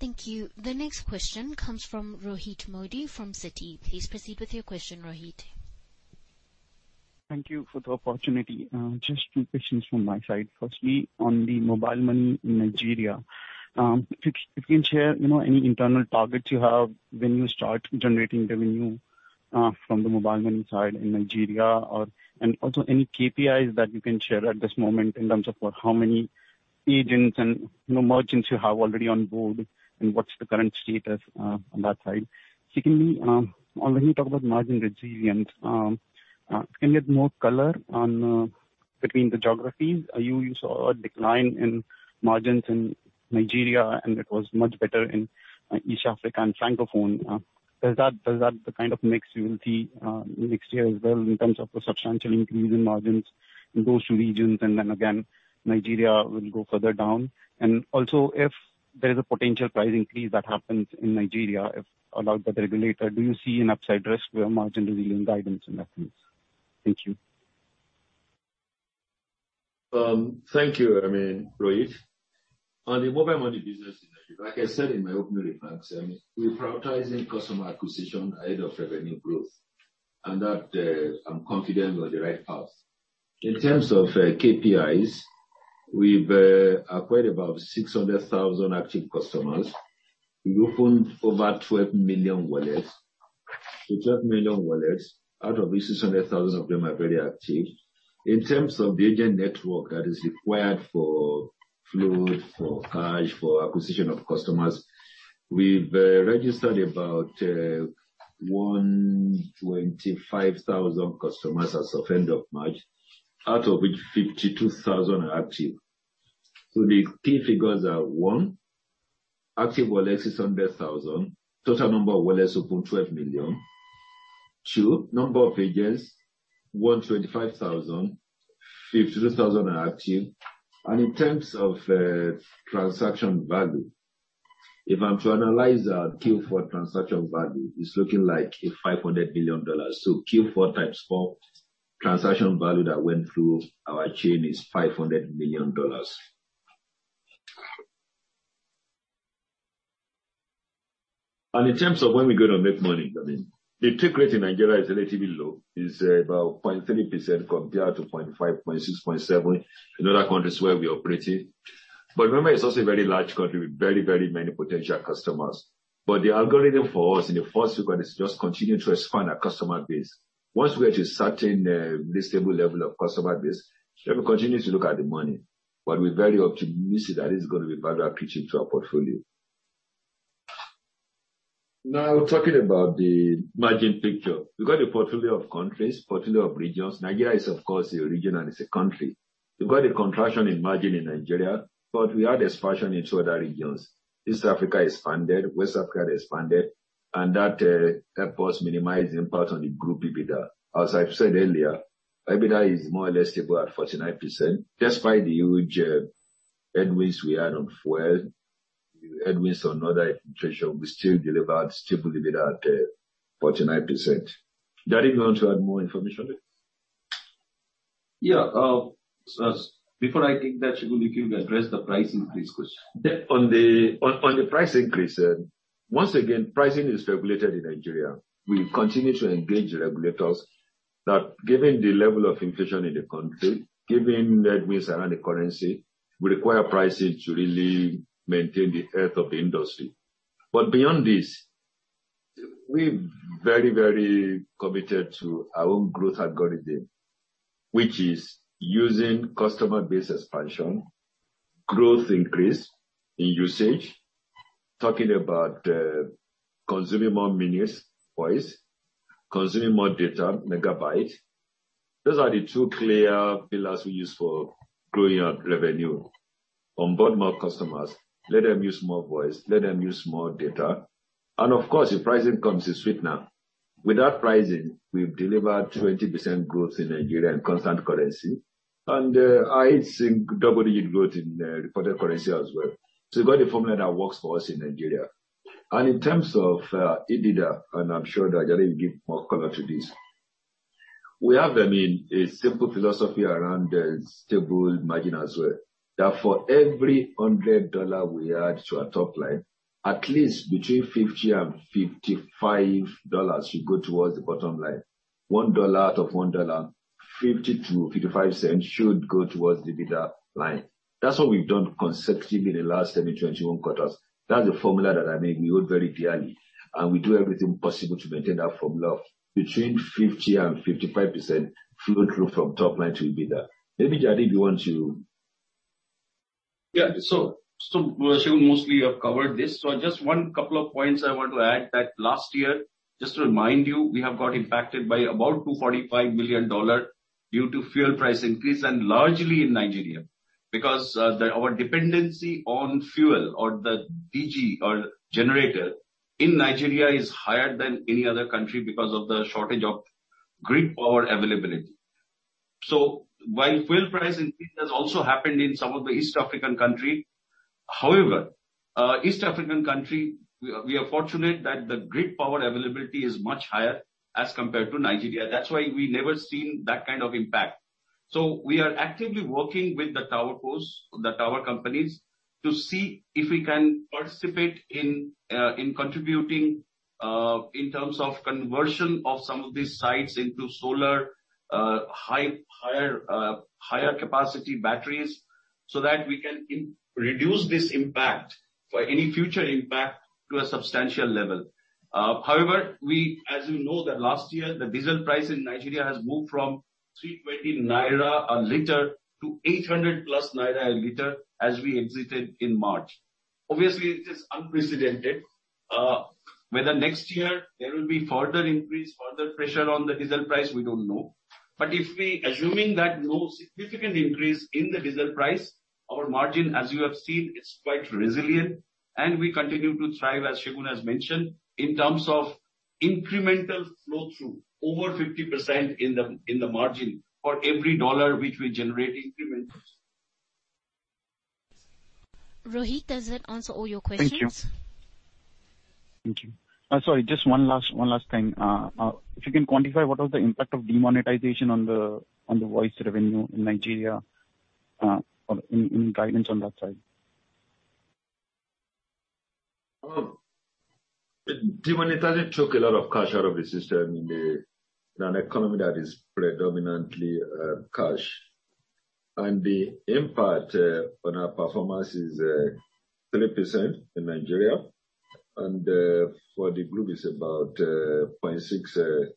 Thank you. The next question comes from Rohit Modi from Citi. Please proceed with your question, Rohit. Thank you for the opportunity. Just two questions from my side. On the Mobile Money in Nigeria, if you can share, you know, any internal targets you have when you start generating revenue from the Mobile Money side in Nigeria. Also any KPIs that you can share at this moment in terms of what how many agents and, you know, merchants you have already on board and what's the current status on that side. When you talk about margin resilience, can you add more color on between the geographies? You saw a decline in margins in Nigeria, and it was much better in East Africa and Francophone. Does that the kind of mix you will see next year as well in terms of the substantial increase in margins in those two regions, and then again, Nigeria will go further down? Also, if there is a potential price increase that happens in Nigeria, if allowed by the regulator, do you see an upside risk to your margin resilience guidance in that case? Thank you. Thank you, I mean, Rohit. On the Mobile Money business in Nigeria, like I said in my opening remarks, we're prioritizing customer acquisition ahead of revenue growth, I'm confident we're on the right path. In terms of KPIs, we've acquired about 600,000 active customers. We opened over 12 million wallets. 12 million wallets, out of which 600,000 of them are very active. In terms of the agent network that is required for flow, for cash, for acquisition of customers, we've registered about 125,000 customers as of end of March, out of which 52,000 are active. The key figures are, 1, active wallets, 600,000. Total number of wallets, over 12 million. 2, number of agents, 125,000, 52,000 are active. In terms of transaction value. If I'm to analyze our Q4 transaction value, it's looking like $500 million. Q4 times four transaction value that went through our chain is $500 million. In terms of when we're gonna make money, I mean, the take rate in Nigeria is relatively low. It's about 0.3% compared to 0.5%, 0.6%, 0.7% in other countries where we operate in. Remember, it's also a very large country with very, very many potential customers. The algorithm for us in the first quarter is just continue to expand our customer base. Once we get a certain stable level of customer base, then we continue to look at the money. We're very optimistic that it's gonna be value addition to our portfolio. Talking about the margin picture. We've got a portfolio of countries, portfolio of regions. Nigeria is of course a region and it's a country. We've got a contraction in margin in Nigeria, but we had expansion into other regions. East Africa expanded, West Africa expanded, and that helped us minimize impact on the group EBITDA. As I've said earlier, EBITDA is more or less stable at 49%. Despite the huge headwinds we had on fuel, headwinds on other inflation, we still delivered stable EBITDA at 49%. Jaideep, you want to add more information? Yeah. before I think that Segun you can address the price increase question. On the price increase, once again pricing is regulated in Nigeria. We continue to engage the regulators that given the level of inflation in the country, given the headwinds around the currency, we require pricing to really maintain the health of the industry. Beyond this, we very, very committed to our own growth algorithm. Which is using customer base expansion, growth increase in usage, talking about consuming more minutes, voice, consuming more data, megabyte. Those are the two clear pillars we use for growing our revenue. Onboard more customers, let them use more voice, let them use more data, and of course, the pricing comes in suite now. Without pricing, we've delivered 20% growth in Nigeria in constant currency and I think double-digit growth in reported currency as well. We've got a formula that works for us in Nigeria. In terms of EBITDA, I'm sure that Jaideep give more color to this. We have, I mean, a simple philosophy around stable margin as well. That for every 100 dollars we add to our top line, at least between $50 and $55 should go towards the bottom line. $1 out of $1, $0.50-$0.55 should go towards the EBITDA line. That's what we've done consecutively in the last 21 quarters. That's a formula that I mean, we hold very dearly, and we do everything possible to maintain that formula. Between 50% and 55% flow through from top line to EBITDA. Maybe Jaideep you want to... Segun mostly you have covered this. Just one couple of points I want to add that last year, just to remind you, we have got impacted by about $245 million due to fuel price increase and largely in Nigeria. Our dependency on fuel or the DG or generator in Nigeria is higher than any other country because of the shortage of grid power availability. While fuel price increase has also happened in some of the East African country, however, East African country, we are fortunate that the grid power availability is much higher as compared to Nigeria. That's why we never seen that kind of impact. We are actively working with the tower hosts, the tower companies, to see if we can participate in contributing in terms of conversion of some of these sites into solar, high, higher capacity batteries, so that we can reduce this impact or any future impact to a substantial level. However, we as you know that last year the diesel price in Nigeria has moved from 320 naira a liter to 800+ naira a liter as we exited in March. Obviously it is unprecedented. Whether next year there will be further increase, further pressure on the diesel price, we don't know. If we assuming that no significant increase in the diesel price, our margin, as you have seen, is quite resilient and we continue to thrive, as Segun has mentioned, in terms of incremental flow through over 50% in the margin for every dollar which we generate incremental. Rohit, does that answer all your questions? Thank you. Thank you. Sorry, just one last thing. If you can quantify what was the impact of demonetization on the voice revenue in Nigeria, or any guidance on that side? Demonetization took a lot of cash out of the system in an economy that is predominantly cash. The impact on our performance is 3% in Nigeria, and for the group is about 0.6%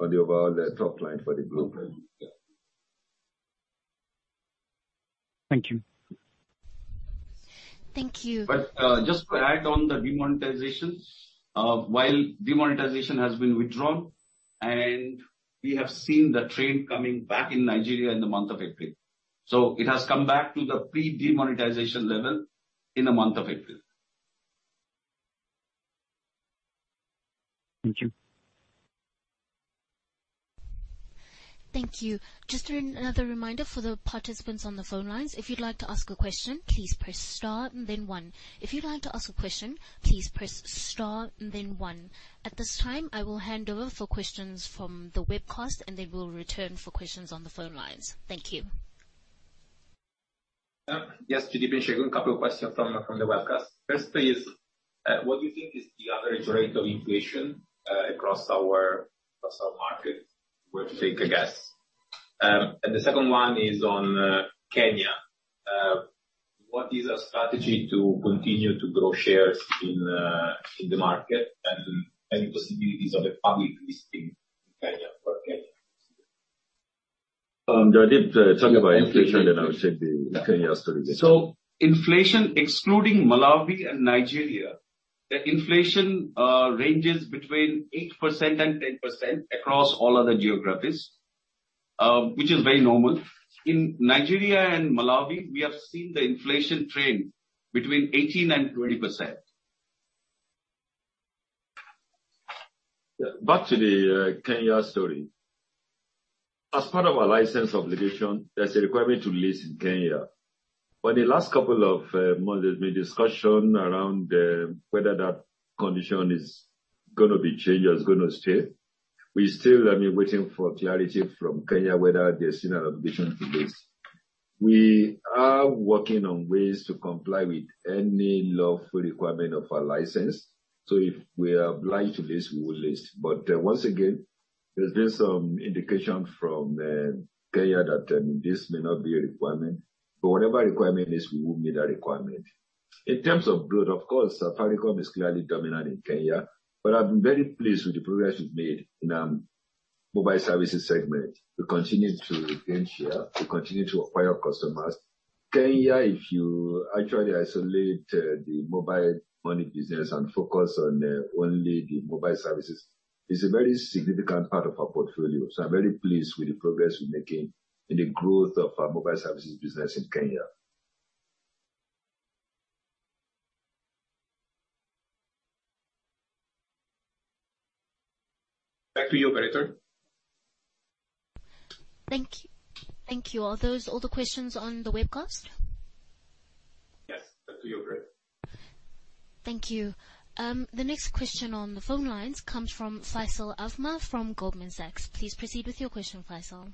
on the overall the top line for the group. Thank you. Thank you. Just to add on the demonetization. While demonetization has been withdrawn, and we have seen the trend coming back in Nigeria in the month of April. It has come back to the pre-demonetization level in the month of April. Thank you. Thank you. Just another reminder for the participants on the phone lines. If you'd like to ask a question, please press star and then one. If you'd like to ask a question, please press star and then one. At this time, I will hand over for questions from the webcast, and then we'll return for questions on the phone lines. Thank you. Yes, Olusegun Ogunsanya, a couple of questions from the webcast. First is, what do you think is the average rate of inflation across our market? Were to take a guess. The second one is on Kenya. What is our strategy to continue to grow shares in the market and any possibilities of a public listing in Kenya for Kenya? I did talk about inflation and I will take the Kenya story. Inflation excluding Malawi and Nigeria, the inflation ranges between 8% and 10% across all other geographies, which is very normal. In Nigeria and Malawi, we have seen the inflation trend between 18%-20%. Back to the Kenya story. As part of our license obligation, there's a requirement to list in Kenya. For the last couple of months, there's been discussion around whether that condition is gonna be changed or it's gonna stay. We still are being waiting for clarity from Kenya whether there's been an obligation to this. We are working on ways to comply with any lawful requirement of our license. If we are obliged to this, we will list. Once again, there's been some indication from Kenya that this may not be a requirement. Whatever requirement is, we will meet that requirement. In terms of growth, of course, Safaricom is clearly dominant in Kenya, but I've been very pleased with the progress we've made in mobile services segment. We continue to gain share, we continue to acquire customers. Kenya, if you actually isolate, the mobile money business and focus on, only the mobile services, is a very significant part of our portfolio. I'm very pleased with the progress we're making in the growth of our mobile services business in Kenya. Back to you, operator. Thank you. Are those all the questions on the webcast? Yes. Back to you, operator. Thank you. The next question on the phone lines comes from Faisal Al Azmeh from Goldman Sachs. Please proceed with your question, Faisal.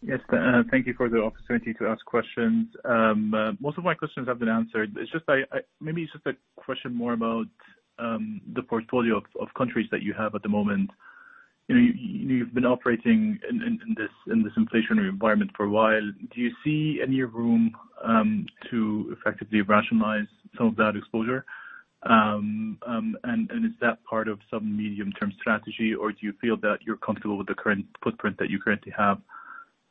Yes, thank you for the opportunity to ask questions. Most of my questions have been answered. It's just maybe it's just a question more about the portfolio of countries that you have at the moment. You know, you've been operating in this inflationary environment for a while. Do you see any room to effectively rationalize some of that exposure? Is that part of some medium-term strategy, or do you feel that you're comfortable with the current footprint that you currently have?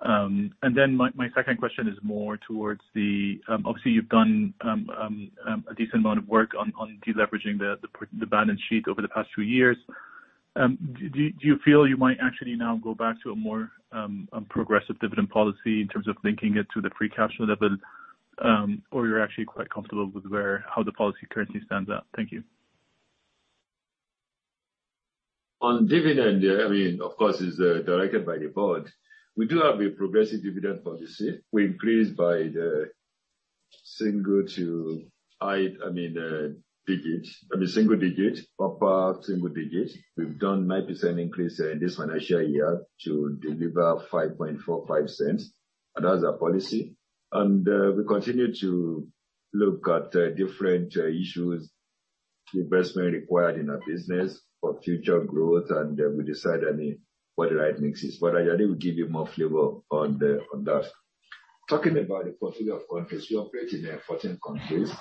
My second question is more towards the... obviously, you've done a decent amount of work on deleveraging the balance sheet over the past few years. Do you feel you might actually now go back to a more progressive dividend policy in terms of linking it to the free cash flow level? Or you're actually quite comfortable with how the policy currently stands out? Thank you. On dividend, of course, it's directed by the board. We do have a progressive dividend policy. We increase by the single to high digit. I mean single digit, per single digit. We've done 9% increase in this financial year to deliver $0.0545. That's our policy. We continue to look at different issues, investment required in our business for future growth. We decide on what the right mix is. Jaideep Paul will give you more flavor on the, on that. Talking about the portfolio of countries, we operate in 14 countries.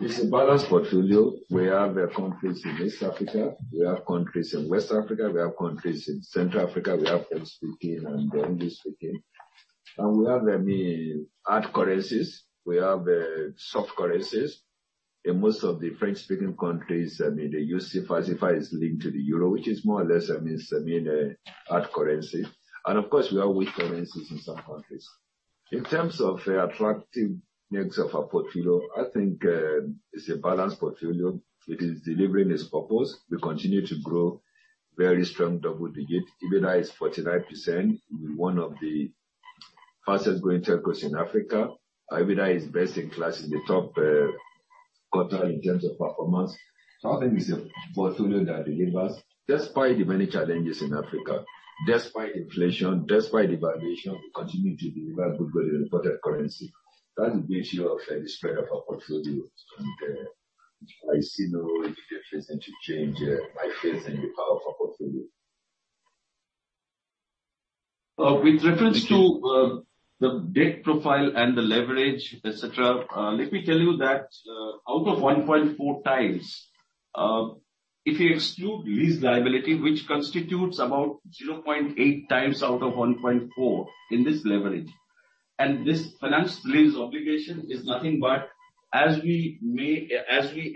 It's a balanced portfolio. We have countries in East Africa, we have countries in West Africa, we have countries in Central Africa. We have English-speaking and French-speaking. We have hard currencies. We have soft currencies. In most of the French-speaking countries, I mean, they use CFA. CFA is linked to the euro, which is more or less a means, I mean, a hard currency. Of course, we have weak currencies in some countries. In terms of the attractive mix of our portfolio, I think, it's a balanced portfolio. It is delivering its purpose. We continue to grow very strong double digit. EBITDA is 49%. We're one of the fastest growing telcos in Africa. Our EBITDA is best in class, in the top quartile in terms of performance. I think it's a portfolio that delivers despite the many challenges in Africa. Despite inflation, despite devaluation, we continue to deliver good growth in reported currency. That gives you a fair spread of our portfolio. I see no immediate reason to change, my faith in the power of our portfolio. With reference to the debt profile and the leverage, et cetera, let me tell you that out of 1.4x, if you exclude lease liability, which constitutes about 0.8x out of 1.4 in this leverage, and this finance lease obligation is nothing but as we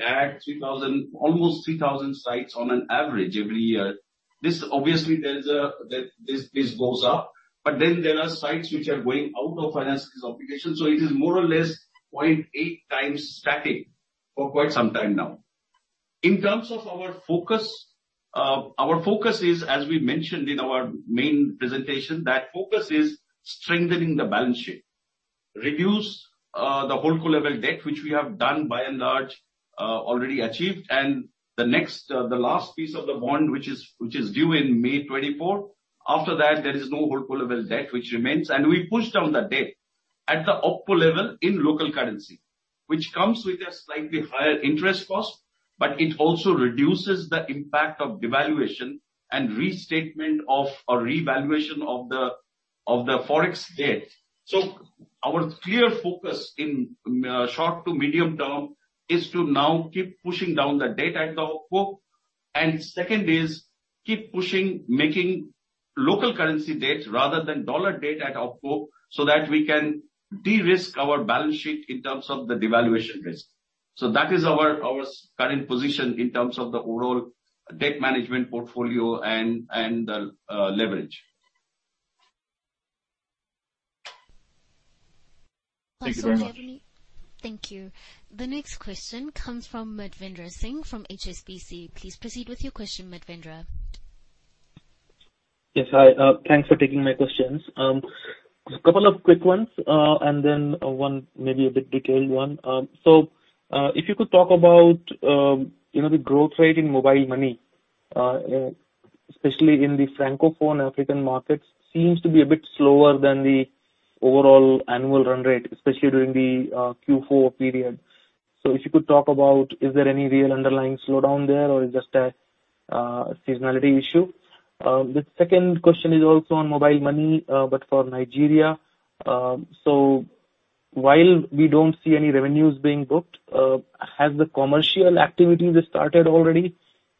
add 3,000, almost 3,000 sites on an average every year, this obviously this goes up. There are sites which are going out of finance lease obligation. It is more or less 0.8x static for quite some time now. In terms of our focus, our focus is, as we mentioned in our main presentation, that focus is strengthening the balance sheet. Reduce the Holdco level debt, which we have done by and large, already achieved. The next, the last piece of the bond which is due in May 2024. After that, there is no Holdco level debt which remains. We pushed down the debt at the OpCo level in local currency, which comes with a slightly higher interest cost, but it also reduces the impact of devaluation and restatement of, or revaluation of the, of the Forex debt. Our clear focus in short to medium term is to now keep pushing down the debt at the OpCo. Second is keep pushing, making local currency debt rather than dollar debt at OpCo, that we can de-risk our balance sheet in terms of the devaluation risk. That is our current position in terms of the overall debt management portfolio and leverage. Thank you very much. Thank you. The next question comes from Madhvendra Singh from HSBC. Please proceed with your question, Madhvendra. Yes, hi. Thanks for taking my questions. Couple of quick ones, and then one maybe a bit detailed one. If you could talk about, you know, the growth rate in mobile money, especially in the Francophone African markets, seems to be a bit slower than the overall annual run rate, especially during the Q4 period. If you could talk about is there any real underlying slowdown there or is just a seasonality issue? The second question is also on mobile money, but for Nigeria. While we don't see any revenues being booked, has the commercial activity just started already?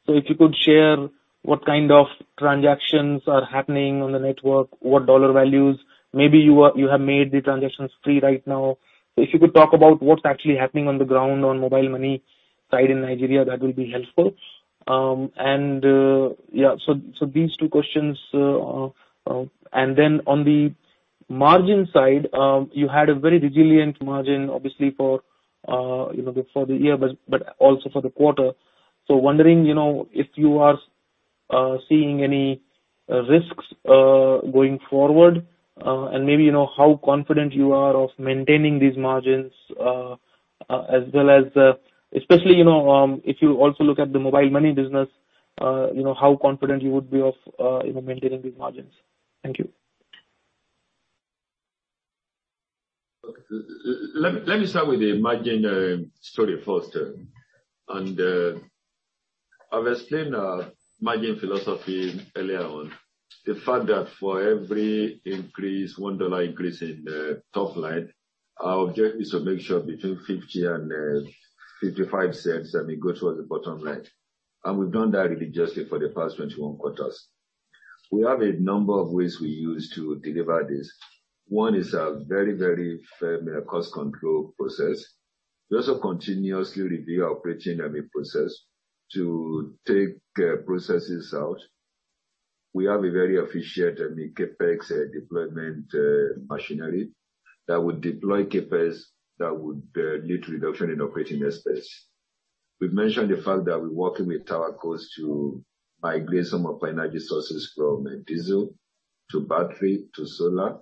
If you could share what kind of transactions are happening on the network, what dollar values. Maybe you have made the transactions free right now. If you could talk about what's actually happening on the ground on mobile money side in Nigeria, that will be helpful. Yeah, so these two questions. Then on the margin side, you had a very resilient margin obviously for, you know, for the year, but also for the quarter. So wondering, you know, if you are seeing any risks going forward, and maybe you know, how confident you are of maintaining these margins as well as, especially, you know, if you also look at the mobile money business, you know, how confident you would be of, you know, maintaining these margins. Thank you. Okay. Let me, let me start with the margin story first. I've explained our margin philosophy earlier on. The fact that for every increase, $1 increase in the top line, our objective is to make sure between $0.50 and $0.55, I mean, goes towards the bottom line. We've done that really just for the past 21 quarters. We have a number of ways we use to deliver this. One is a very, very firm cost control process. We also continuously review our operating army process to take processes out. We have a very efficient, I mean, CapEx deployment machinery that would deploy CapEx that would lead to reduction in operating expense. We've mentioned the fact that we're working with TowerCo to migrate some of our energy sources from diesel to battery to solar.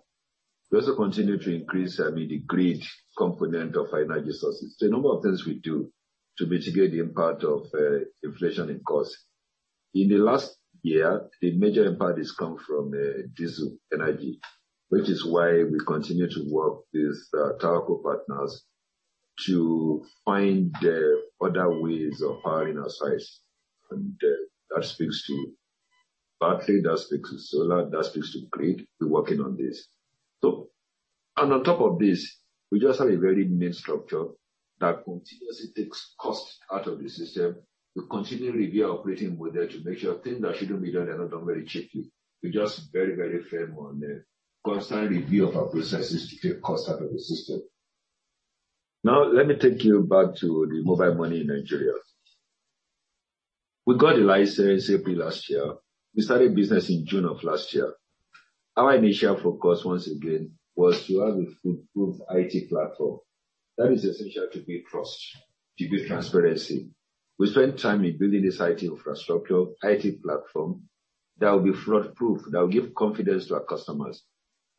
We also continue to increase, I mean, the grid component of our energy sources. There are a number of things we do to mitigate the impact of inflation in cost. In the last year, the major impact has come from diesel energy, which is why we continue to work with TowerCo partners to find other ways of powering our sites. That speaks to battery, that speaks to solar, that speaks to grid. We're working on this. On top of this, we just have a very lean structure that continuously takes cost out of the system. We continually review our operating model to make sure things that shouldn't be there they're not done very cheaply. We're just very, very firm on the constant review of our processes to take cost out of the system. Now let me take you back to the mobile money in Nigeria. We got the license April last year. We started business in June of last year. Our initial focus, once again, was to have an improved IT platform that is essential to build trust, to build transparency. We spent time in building this IT infrastructure, IT platform that will be fraud-proof, that will give confidence to our customers.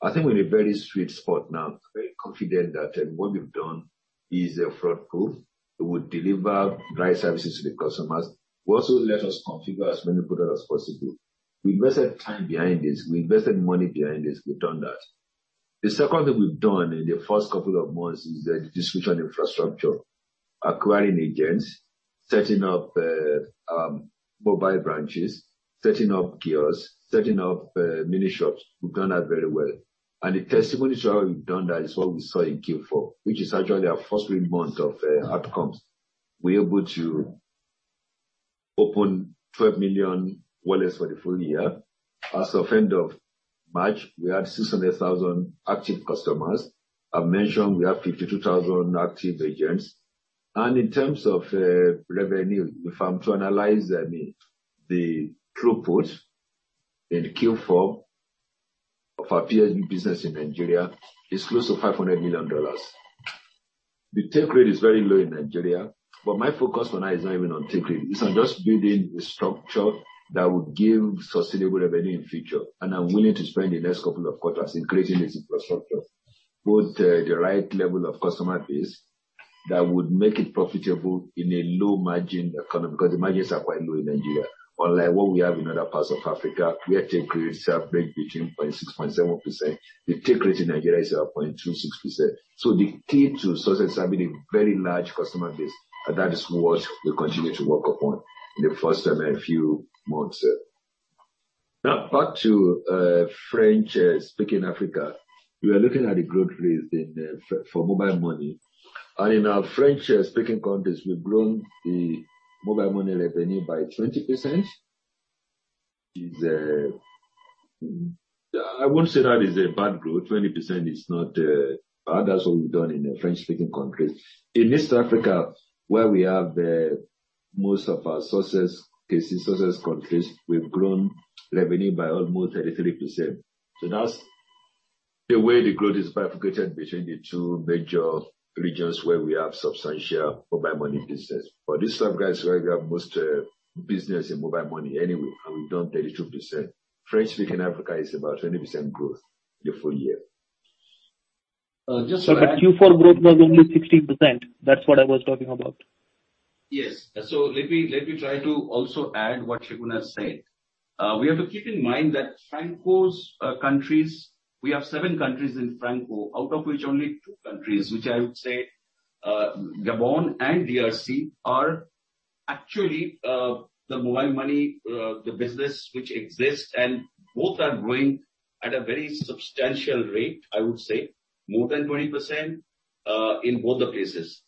I think we're in a very sweet spot now. Very confident that what we've done is fraud-proof. It would deliver dry services to the customers. Will also let us configure as many products as possible. We invested time behind this. We invested money behind this. We've done that. The second thing we've done in the first couple of months is the distribution infrastructure. Acquiring agents, setting up mobile branches, setting up kiosks, setting up mini shops. We've done that very well. The testimony to how we've done that is what we saw in Q4, which is actually our first real month of outcomes. We're able to open 12 million wallets for the full year. As of end of March, we had 600,000 active customers. I've mentioned we have 52,000 active agents. In terms of revenue, if I'm to analyze, I mean, the throughput in Q4, of our PSB business in Nigeria is close to $500 million. The take rate is very low in Nigeria, My focus for now is not even on take rate. It's on just building the structure that would give sustainable revenue in future. I'm willing to spend the next couple of quarters increasing its infrastructure, build, the right level of customer base that would make it profitable in a low margin economy, because the margins are quite low in Nigeria. Unlike what we have in other parts of Africa, where take rates are between 0.6%, 0.7%, the take rate in Nigeria is at 0.26%. The key to success have been a very large customer base, and that is what we continue to work upon in the first time in a few months. Now, back to French-speaking Africa. We are looking at the growth rates in for mobile money. In our French-speaking countries, we've grown the mobile money revenue by 20%. Is I won't say that is a bad growth. 20% is not bad. That's what we've done in the French-speaking countries. In East Africa, where we have most of our sources countries, we've grown revenue by almost 33%. That's the way the growth is bifurcated between the two major regions where we have substantial mobile money business. East Africa is where we have most business in mobile money anyway, and we've done 32%. French-speaking Africa is about 20% growth the full year. The Q4 growth was only 16%. That's what I was talking about. Yes. Let me, let me try to also add what Segun has said. We have to keep in mind that Franco's countries, we have 7 countries in Franco, out of which only 2 countries, which I would say, Gabon and DRC, are actually the mobile money business which exists and both are growing at a very substantial rate, I would say more than 20% in both the places.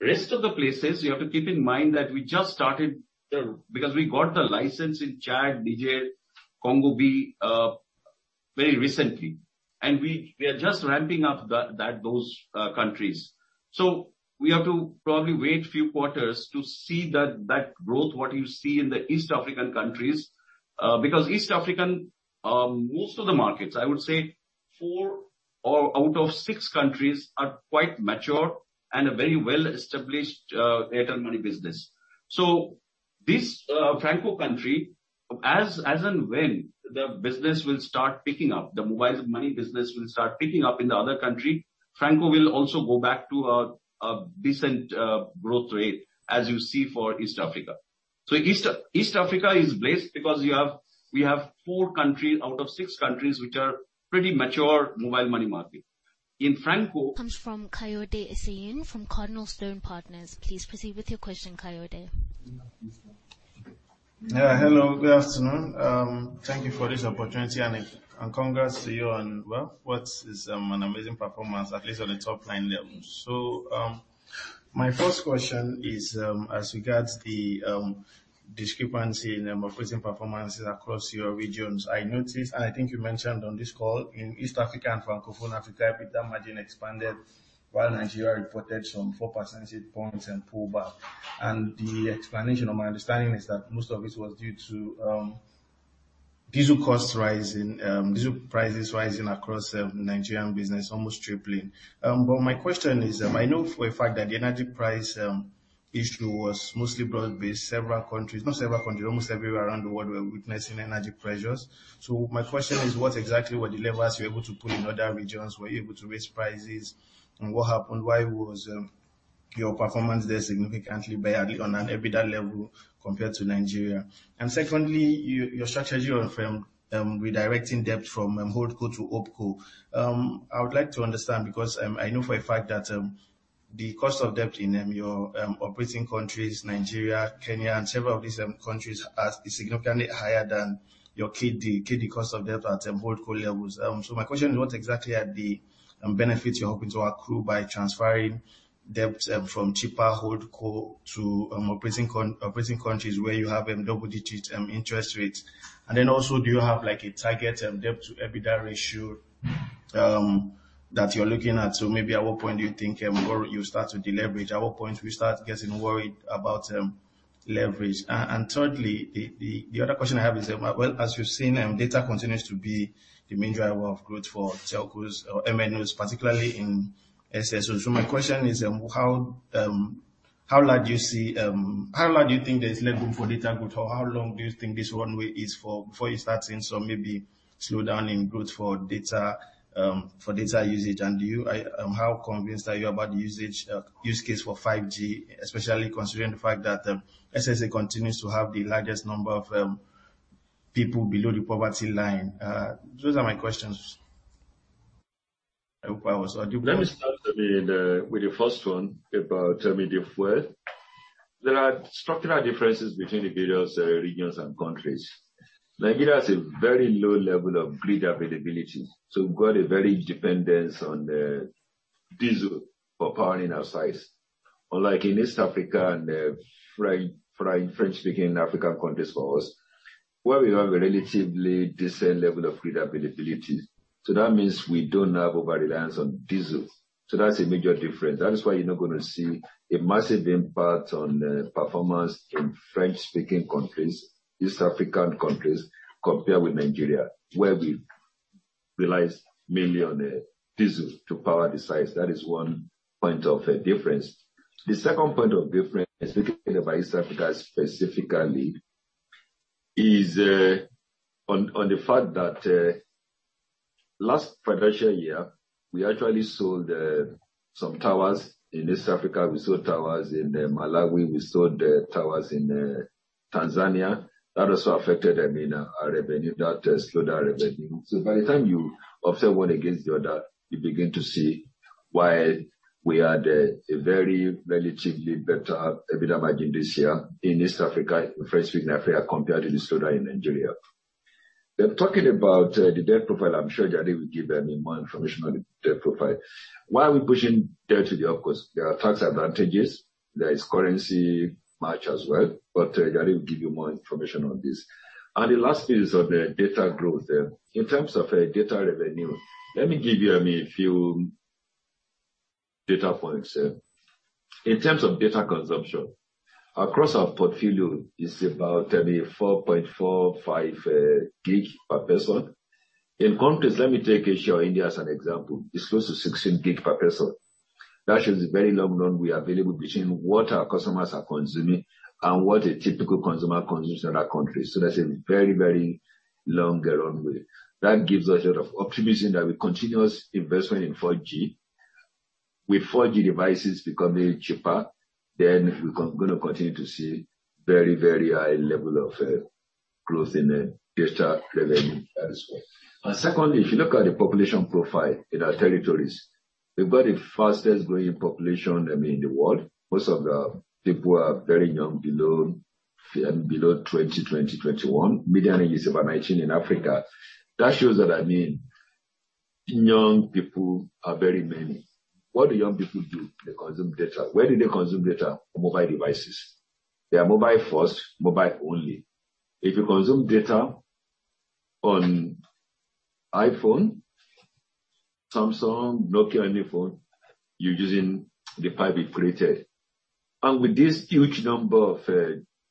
Rest of the places, you have to keep in mind that we just started. Because we got the license in Chad, Niger, Congo B, very recently. We are just ramping up those countries. We have to probably wait few quarters to see that growth, what you see in the East African countries. Because East African, most of the markets, I would say four or out of six countries are quite mature and a very well-established Airtel Money business. This Franco country, as and when the business will start picking up, the mobile money business will start picking up in the other country, Franco will also go back to a decent growth rate as you see for East Africa. East Africa is blessed because we have four countries out of six countries which are pretty mature mobile money market. In Franco- Comes from Kayode Eseyin from CardinalStone Partners. Please proceed with your question, Kayode. Yeah, hello, good afternoon. Thank you for this opportunity and congrats to you on, well, what is an amazing performance, at least on the top line level. My first question is as regards to the discrepancy in operating performances across your regions. I noticed, and I think you mentioned on this call, in East Africa and Francophone Africa, EBITDA margin expanded while Nigeria reported some 4 percentage points and pullback. The explanation or my understanding is that most of it was due to diesel costs rising, diesel prices rising across Nigerian business, almost tripling. My question is, I know for a fact that the energy price issue was mostly broad-based. Several countries, almost everywhere around the world were witnessing energy pressures. My question is, what exactly were the levers you were able to pull in other regions? Were you able to raise prices? What happened? Why was your performance there significantly badly on an EBITDA level compared to Nigeria? Secondly, your strategy on redirecting debt from holdco to opco. I would like to understand because I know for a fact that the cost of debt in your operating countries, Nigeria, Kenya and several of these countries is significantly higher than your KD cost of debt at holdco levels. My question is, what exactly are the benefits you're hoping to accrue by transferring debt from cheaper holdco to operating countries where you have double digits interest rates? Then also, do you have like a target debt to EBITDA ratio that you're looking at? Maybe at what point do you think or you'll start to deleverage? At what point do we start getting worried about leverage? Thirdly, the other question I have is, well, as we've seen, data continues to be the major area of growth for Telcos or MNOs, particularly in SSA. My question is, how large do you see how large do you think there is level for data growth or how long do you think this runway is for before you start seeing some maybe slowdown in growth for data for data usage? Do you I how convinced are you about the usage use case for 5G, especially considering the fact that SSA continues to have the largest number of people below the poverty line? Those are my questions. I hope I was audible. Let me start with the first one about immediate word. There are structural differences between the various regions and countries. Nigeria has a very low level of grid availability, we've got a very dependence on the diesel for powering our sites. Unlike in East Africa and French-speaking African countries for us, where we have a relatively decent level of grid availability. That means we don't have over-reliance on diesel. That's a major difference. That is why you're not gonna see a massive impact on performance in French-speaking countries, East African countries, compared with Nigeria, where we rely mainly on diesel to power the sites. That is one point of difference. The second point of difference, speaking about East Africa specifically, is on the fact that last financial year, we actually sold some towers in East Africa. We sold towers in Malawi, we sold towers in Tanzania. That also affected, I mean, our revenue. That slowed our revenue. By the time you offset one against the other, you begin to see why we had a very relatively better EBITDA margin this year in East Africa and French-speaking Africa compared to the slowdown in Nigeria. Talking about the debt profile, I'm sure Jaric will give, I mean, more information on the debt profile. Why are we pushing debt to the OpCo? There are tax advantages. There is currency match as well. Jaric will give you more information on this. The last piece on the data growth there. In terms of data revenue, let me give you, I mean, a few data points. In terms of data consumption, across our portfolio is about, I mean, 4.45 gig per person. In contrast, let me take Asia or India as an example. It's close to 16 gig per person. That shows a very long runway available between what our customers are consuming and what a typical consumer consumes in other countries. That's a very, very long runway. That gives us a lot of optimism that with continuous investment in 4G, with 4G devices becoming cheaper, then we gonna continue to see very, very high level of growth in data revenue as well. Secondly, if you look at the population profile in our territories, we've got the fastest growing population, I mean, in the world. Most of the people are very young, below 20, 21. Median age is about 19 in Africa. That shows that, I mean, young people are very many. What do young people do? They consume data. Where do they consume data? Mobile devices. They are mobile first, mobile only. If you consume data on iPhone, Samsung, Nokia, any phone, you're using the 5G created. With this huge number of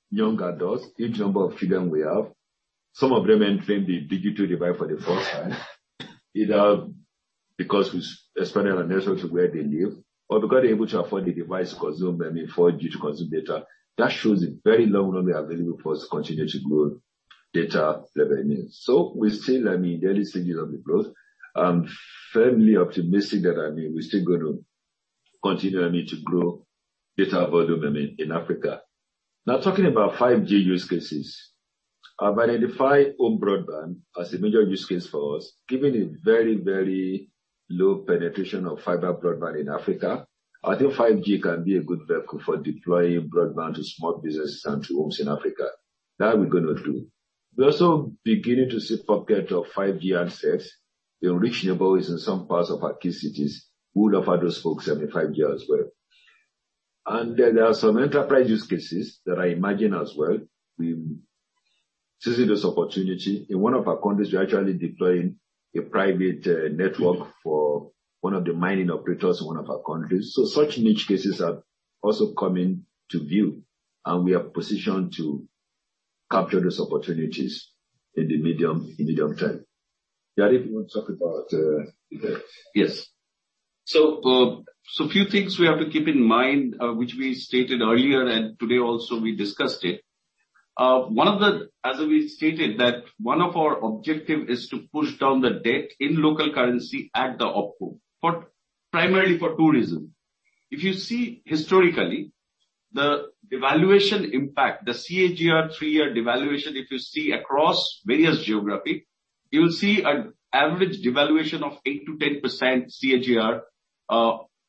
young adults, huge number of children we have, some of them entering the digital divide for the first time, either because we've expanded our network to where they live or become able to afford the device to consume, I mean, 4G to consume data, that shows a very long runway available for us to continue to grow data revenues. We still, I mean, there is figures on the growth. I'm firmly optimistic that, I mean, we're still gonna continue, I mean, to grow data volume, I mean, in Africa. Talking about 5G use cases. I've identified home broadband as a major use case for us. Given the very, very low penetration of fiber broadband in Africa, I think 5G can be a good vehicle for deploying broadband to small businesses and to homes in Africa. That we're gonna do. We're also beginning to see pockets of 5G handsets in rich neighborhoods, in some parts of our key cities. We would offer those folks maybe 5G as well. There are some enterprise use cases that I imagine as well. We seize this opportunity. In one of our countries, we are actually deploying a private network for one of the mining operators in one of our countries. Such niche cases are also coming to view, and we are positioned to capture those opportunities in the medium, in the long term. Jaideep, do you want to talk about the debt? Yes. Few things we have to keep in mind, which we stated earlier, and today also we discussed it. As we stated that one of our objective is to push down the debt in local currency at the OpCo, for primarily for two reasons. If you see historically, the devaluation impact, the CAGR 3-year devaluation, if you see across various geography, you will see an average devaluation of 8%-10% CAGR,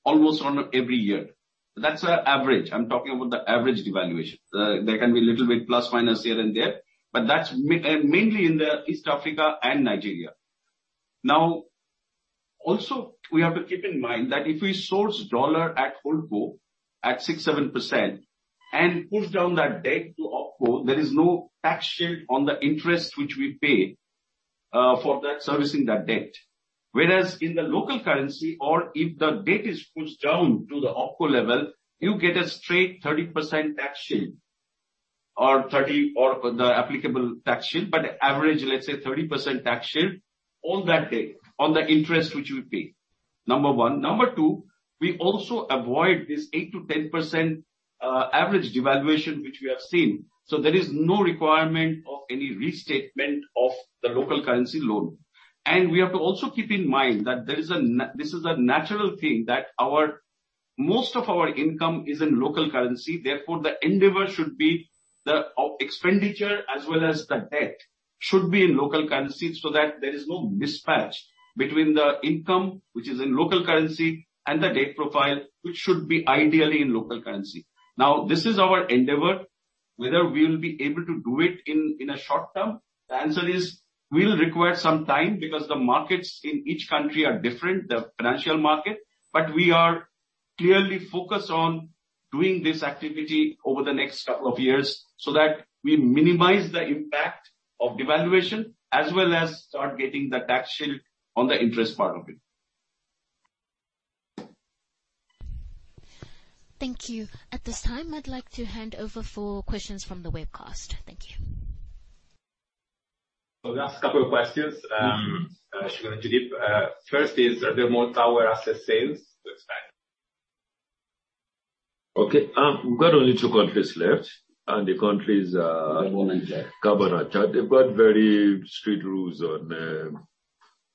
almost on every year. That's our average. I'm talking about the average devaluation. There can be little bit plus minus here and there, but that's mainly in the East Africa and Nigeria. Also, we have to keep in mind that if we source dollar at Holdco at 6%-7% and push down that debt to OpCo, there is no tax shield on the interest which we pay for that servicing that debt. Whereas in the local currency or if the debt is pushed down to the OpCo level, you get a straight 30% tax shield or 30 or the applicable tax shield, but average, let's say 30% tax shield on that debt, on the interest which you pay. Number one. Number two, we also avoid this 8%-10% average devaluation, which we have seen. There is no requirement of any restatement of the local currency loan. We have to also keep in mind that this is a natural thing that our... Most of our income is in local currency, therefore, the endeavor should be the expenditure as well as the debt should be in local currency so that there is no mismatch between the income, which is in local currency, and the debt profile, which should be ideally in local currency. This is our endeavor. Whether we'll be able to do it in a short term, the answer is we'll require some time because the markets in each country are different, the financial market. We are clearly focused on doing this activity over the next couple of years so that we minimize the impact of devaluation as well as start getting the tax shield on the interest part of it. Thank you. At this time, I'd like to hand over for questions from the webcast. Thank you. Last couple of questions, Simon Coles and Jaideep Paul. First is there more tower asset sales to expand? Okay. We've got only two countries left, the countries are. At the moment, yeah. Gabon and Chad. They've got very strict rules on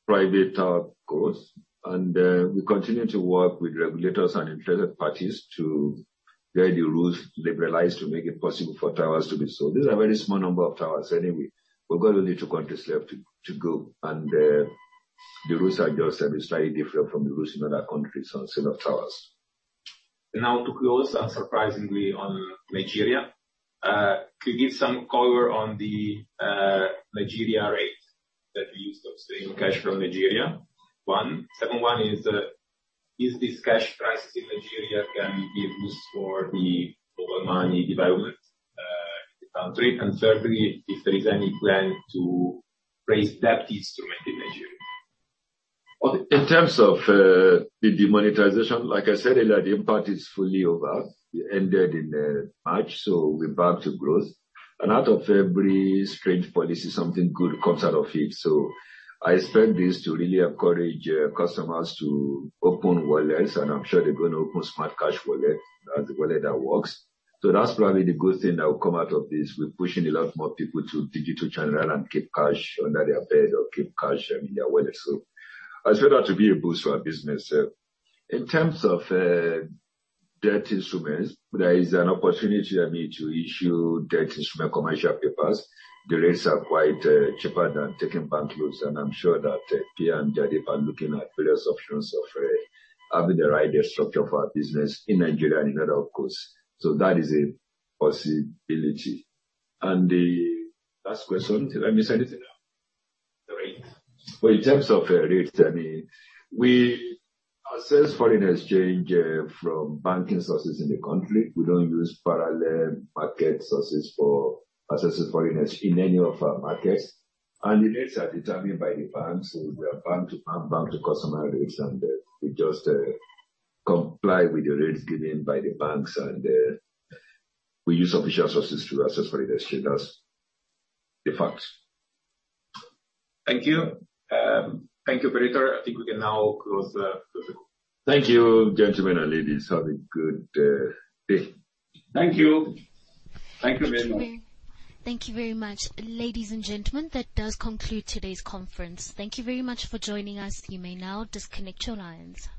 private towers, of course. We continue to work with regulators and interested parties to vary the rules, liberalize to make it possible for towers to be sold. These are a very small number of towers anyway. We've got only two countries left to go. The rules are just slightly different from the rules in other countries on sale of towers. Now to close, unsurprisingly on Nigeria. Could you give some color on the Nigeria rate that you used of staying cash from Nigeria? One. Second one is this cash crisis in Nigeria can be a boost for the mobile money development in the country? Thirdly, if there is any plan to raise that instrument in Nigeria? Well, in terms of the demonetization, like I said earlier, the impact is fully over. It ended in March, so we're back to growth. Out of every strange policy, something good comes out of it. I expect this to really encourage customers to open wallets, and I'm sure they're gonna open SmartCash wallet as a wallet that works. That's probably the good thing that will come out of this. We're pushing a lot more people to digital channel rather than keep cash under their bed or keep cash in their wallet. I see that to be a boost for our business. In terms of debt instruments, there is an opportunity I need to issue debt instrument commercial papers. The rates are quite cheaper than taking bank loans, and I'm sure that Pier and Jaideep are looking at various options of having the right structure for our business in Nigeria and in other countries. That is a possibility. The last question, did I miss anything? The rate. Well, in terms of rate, I mean, we access foreign exchange from banking sources in the country. We don't use parallel market sources for accessing foreign ex in any of our markets. The rates are determined by the banks. They're bank to bank to customer rates, and we just comply with the rates given by the banks. We use official sources to access foreign exchange. That's the facts. Thank you. Thank you very much. I think we can now close the call. Thank you, gentlemen and ladies. Have a good day. Thank you. Thank you very much. Thank you very much. Ladies and gentlemen, that does conclude today's conference. Thank you very much for joining us. You may now disconnect your lines.